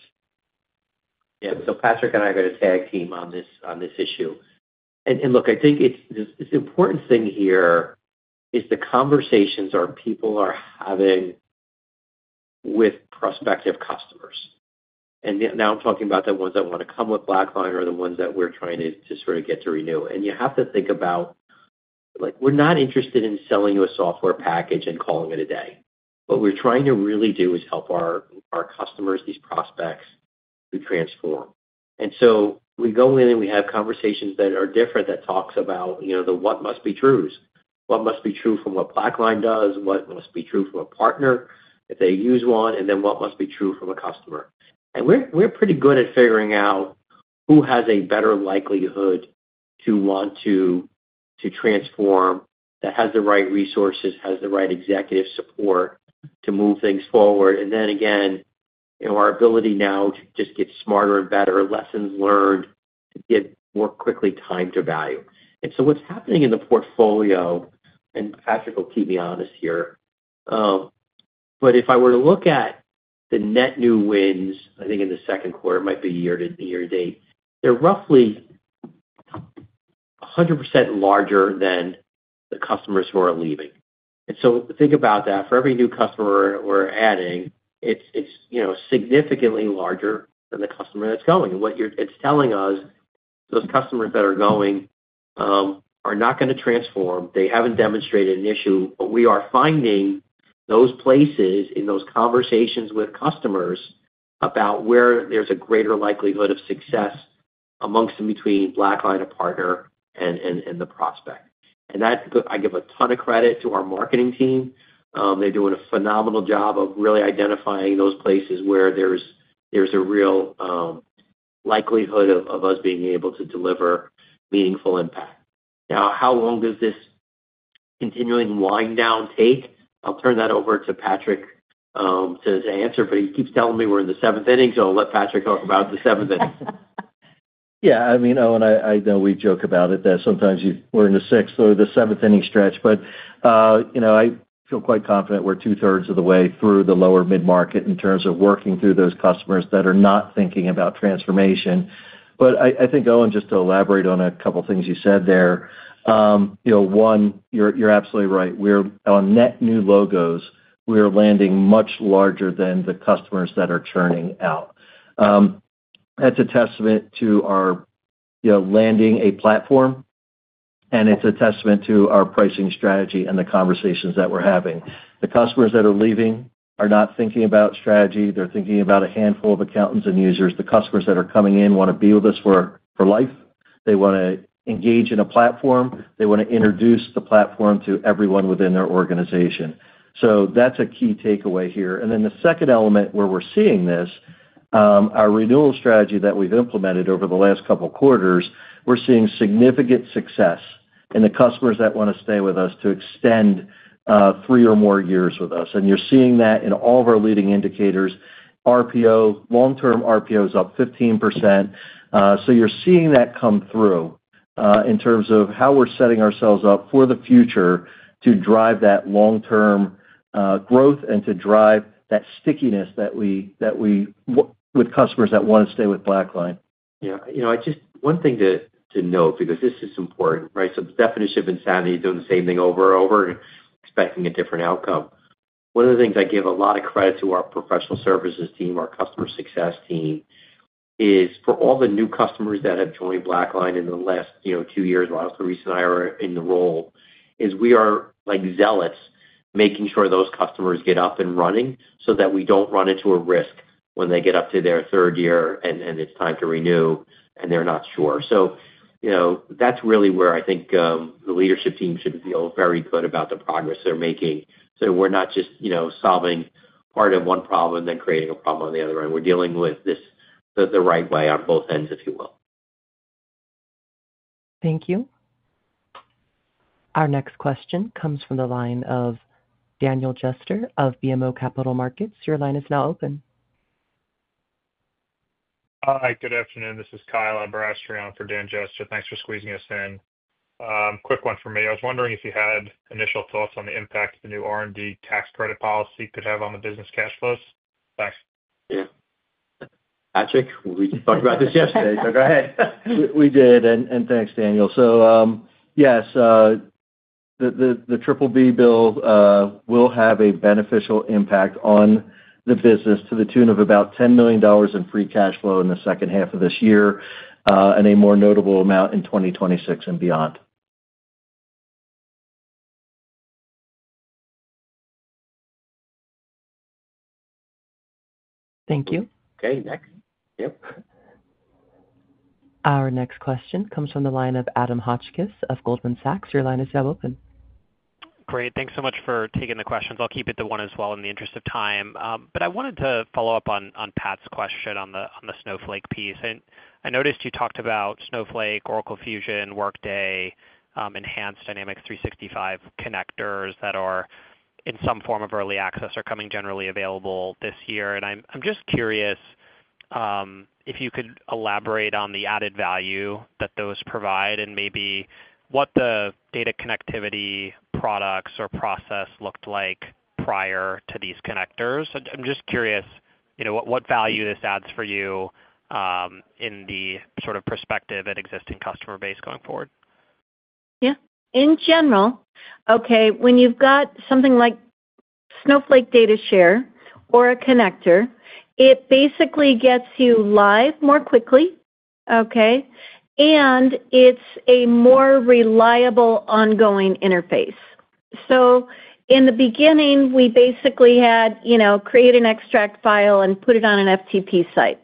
Yeah, so Patrick and I are going to tag team on this issue. I think the important thing here is the conversations our people are having with prospective customers. Now I'm talking about the ones that want to come with BlackLine or the ones that we're trying to sort of get to renew. You have to think about, like, we're not interested in selling you a software package and calling it a day. What we're trying to really do is help our customers, these prospects, to transform. We go in and we have conversations that are different that talk about, you know, the what must be truths. What must be true from what BlackLine does, what must be true from a partner if they use one, and then what must be true from a customer. We're pretty good at figuring out who has a better likelihood to want to transform, that has the right resources, has the right executive support to move things forward. Again, you know, our ability now to just get smarter and better, lessons learned, get more quickly time to value. What's happening in the portfolio, and Patrick will keep me honest here, but if I were to look at the net new wins, I think in the second quarter, it might be year to date, they're roughly 100% larger than the customers who are leaving. Think about that. For every new customer we're adding, it's significantly larger than the customer that's going. What it's telling us, those customers that are going are not going to transform. They haven't demonstrated an issue, but we are finding those places in those conversations with customers about where there's a greater likelihood of success amongst and between BlackLine and partner and the prospect. I give a ton of credit to our marketing team. They're doing a phenomenal job of really identifying those places where there's a real likelihood of us being able to deliver meaningful impact. Now, how long does this continuing wind-down take? I'll turn that over to Patrick to answer, but he keeps telling me we're in the seventh inning, so I'll let Patrick talk about the seventh inning. Yeah, I mean, Owen, I know we joke about it, that sometimes we're in the sixth or the seventh inning stretch, but I feel quite confident we're two-thirds of the way through the lower mid-market in terms of working through those customers that are not thinking about transformation. I think, Owen, just to elaborate on a couple of things you said there, one, you're absolutely right. We're on net new logos. We are landing much larger than the customers that are churning out. That's a testament to our landing a platform, and it's a testament to our pricing strategy and the conversations that we're having. The customers that are leaving are not thinking about strategy. They're thinking about a handful of accountants and users. The customers that are coming in want to be with us for life. They want to engage in a platform. They want to introduce the platform to everyone within their organization. That's a key takeaway here. The second element where we're seeing this, our renewal strategy that we've implemented over the last couple of quarters, we're seeing significant success in the customers that want to stay with us to extend three or more years with us. You're seeing that in all of our leading indicators. RPO, long-term RPO is up 15%. You're seeing that come through in terms of how we're setting ourselves up for the future to drive that long-term growth and to drive that stickiness that we have with customers that want to stay with BlackLine. Yeah, you know, one thing to note, because this is important, right? The definition of insanity is doing the same thing over and over and expecting a different outcome. One of the things I give a lot of credit to our Professional Services team, our Customer Success team, is for all the new customers that have joined BlackLine in the last two years, while Therese and I are in the role, we are like zealots making sure those customers get up and running so that we don't run into a risk when they get up to their third year and it's time to renew and they're not sure. That's really where I think the leadership team should feel very good about the progress they're making. We're not just solving part of one problem and then creating a problem on the other end. We're dealing with this the right way on both ends, if you will. Thank you. Our next question comes from the line of Daniel Jester of BMO Capital Markets. Your line is now open. Hi, good afternoon. This is Kyle Abarasturi for Dan Jester. Thanks for squeezing us in. Quick one for me. I was wondering if you had initial thoughts on the impact the new R&D tax credit policy could have on the business cash flows. Thanks. Yeah, Patrick, we talked about this yesterday, so go ahead. We did. Thanks, Daniel. Yes, the triple B bill will have a beneficial impact on the business to the tune of about $10 million in free cash flow in the second half of this year and a more notable amount in 2026 and beyond. Thank you. Okay, next. Our next question comes from the line of Adam Hotchkiss of Goldman Sachs. Your line is now open. Great. Thanks so much for taking the questions. I'll keep it to one as well in the interest of time. I wanted to follow up on Pat's question. The Snowflake piece. I noticed you talked about Snowflake, Oracle Fusion, Workday, enhanced Dynamics 365 connectors that are in some form of early access or becoming generally available this year. I'm just curious if you could elaborate on the added value that those provide and maybe what the data connectivity products or process looked like prior to these connectors. I'm just curious what value this adds for you in the perspective of an existing customer base going forward. Yeah. In general, when you've got something like Snowflake Data Share or a connector, it basically gets you live more quickly, and it's a more reliable ongoing interface. In the beginning, we basically had to create an extract file and put it on an FTP site.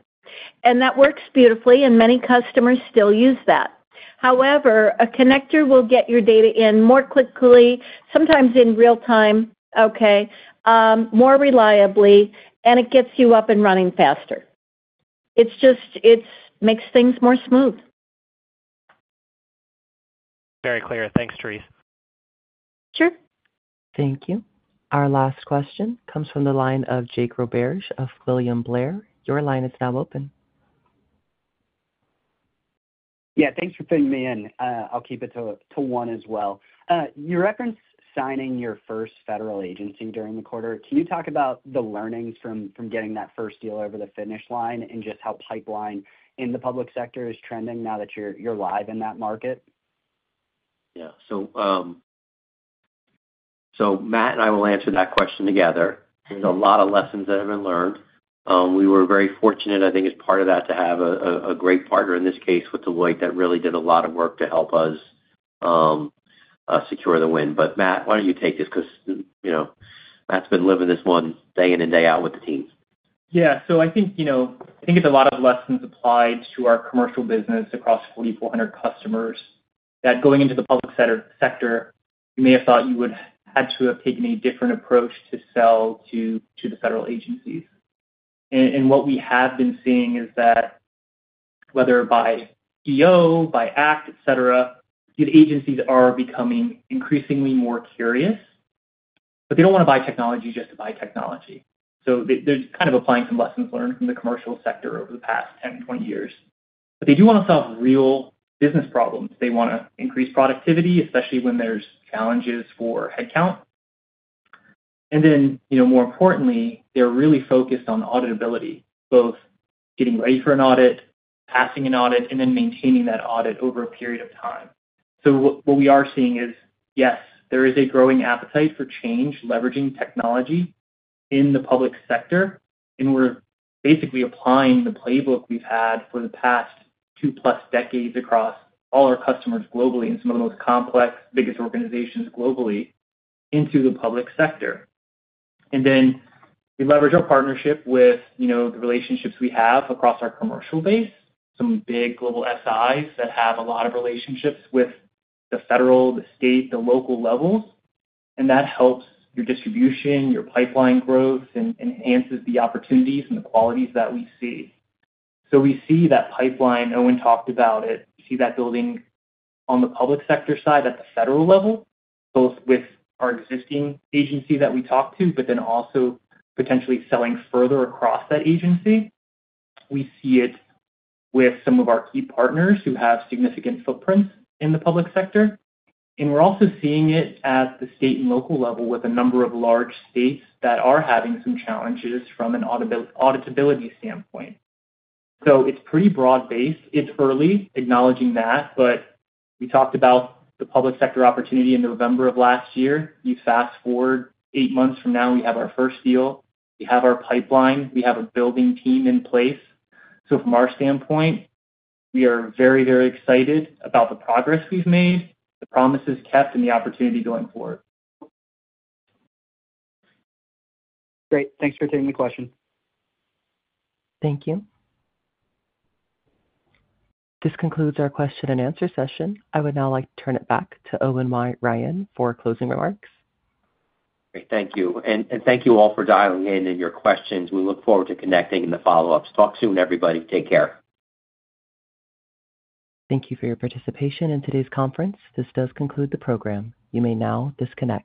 That works beautifully, and many customers still use that. However, a connector will get your data in more quickly, sometimes in real time, more reliably, and it gets you up and running faster. It makes things more smooth. Very clear. Thanks, Therese. Sure. Thank you. Our last question comes from the line of Jake Roberge of William Blair. Your line is now open. Yeah, thanks for filling me in. I'll keep it to one as well. You referenced signing your first federal agency during the quarter. Can you talk about the learnings from getting that first deal over the finish line, and just how pipeline in the public sector is trending now that you're live in that market? Yeah. Matt and I will answer that question together. There are a lot of lessons that have been learned. We were very fortunate, I think, as part of that to have a great partner in this case with Deloitte that really did a lot of work to help us secure the win. Matt, why don't you take this? Because Matt's been living this one day in and day out with the team. I think it's a lot of lessons applied to our commercial business across 4,400 customers that going into the public sector, you may have thought you would have to have taken a different approach to sell to the federal agencies. What we have been seeing is that whether by EO, by ACT, et cetera, these agencies are becoming increasingly more curious, but they don't want to buy technology just to buy technology. They're kind of applying some lessons learned from the commercial sector over the past 10, 20 years. They do want to solve real business problems. They want to increase productivity, especially when there's challenges for headcount. More importantly, they're really focused on auditability, both getting ready for an audit, passing an audit, and then maintaining that audit over a period of time. What we are seeing is, yes, there is a growing appetite for change leveraging technology in the public sector, and we're basically applying the playbook we've had for the past two plus decades across all our customers globally and some of the most complex, biggest organizations globally into the public sector. We leverage our partnership with the relationships we have across our commercial base, some big global SIs that have a lot of relationships with the federal, the state, the local levels. That helps your distribution, your pipeline growth, and enhances the opportunities and the qualities that we see. We see that pipeline Owen talked about it. We see that building on the public sector side at the federal level, both with our existing agency that we talked to, but then also potentially selling further across that agency. We see it with some of our key partners who have significant footprints in the public sector. We're also seeing it at the state and local level with a number of large states that are having some challenges from an auditability standpoint. It's pretty broad-based. It's early, acknowledging that, but we talked about the public sector opportunity in November of last year. You fast forward eight months from now, we have our first deal. We have our pipeline. We have a building team in place. From our standpoint, we are very, very excited about the progress we've made, the promises kept, and the opportunity going forward. Great. Thanks for taking the question. Thank you. This concludes our question and answer session. I would now like to turn it back to Owen Ryan for closing remarks. Great. Thank you. Thank you all for dialing in and your questions. We look forward to connecting in the follow-ups. Talk soon, everybody. Take care. Thank you for your participation in today's conference. This does conclude the program. You may now disconnect.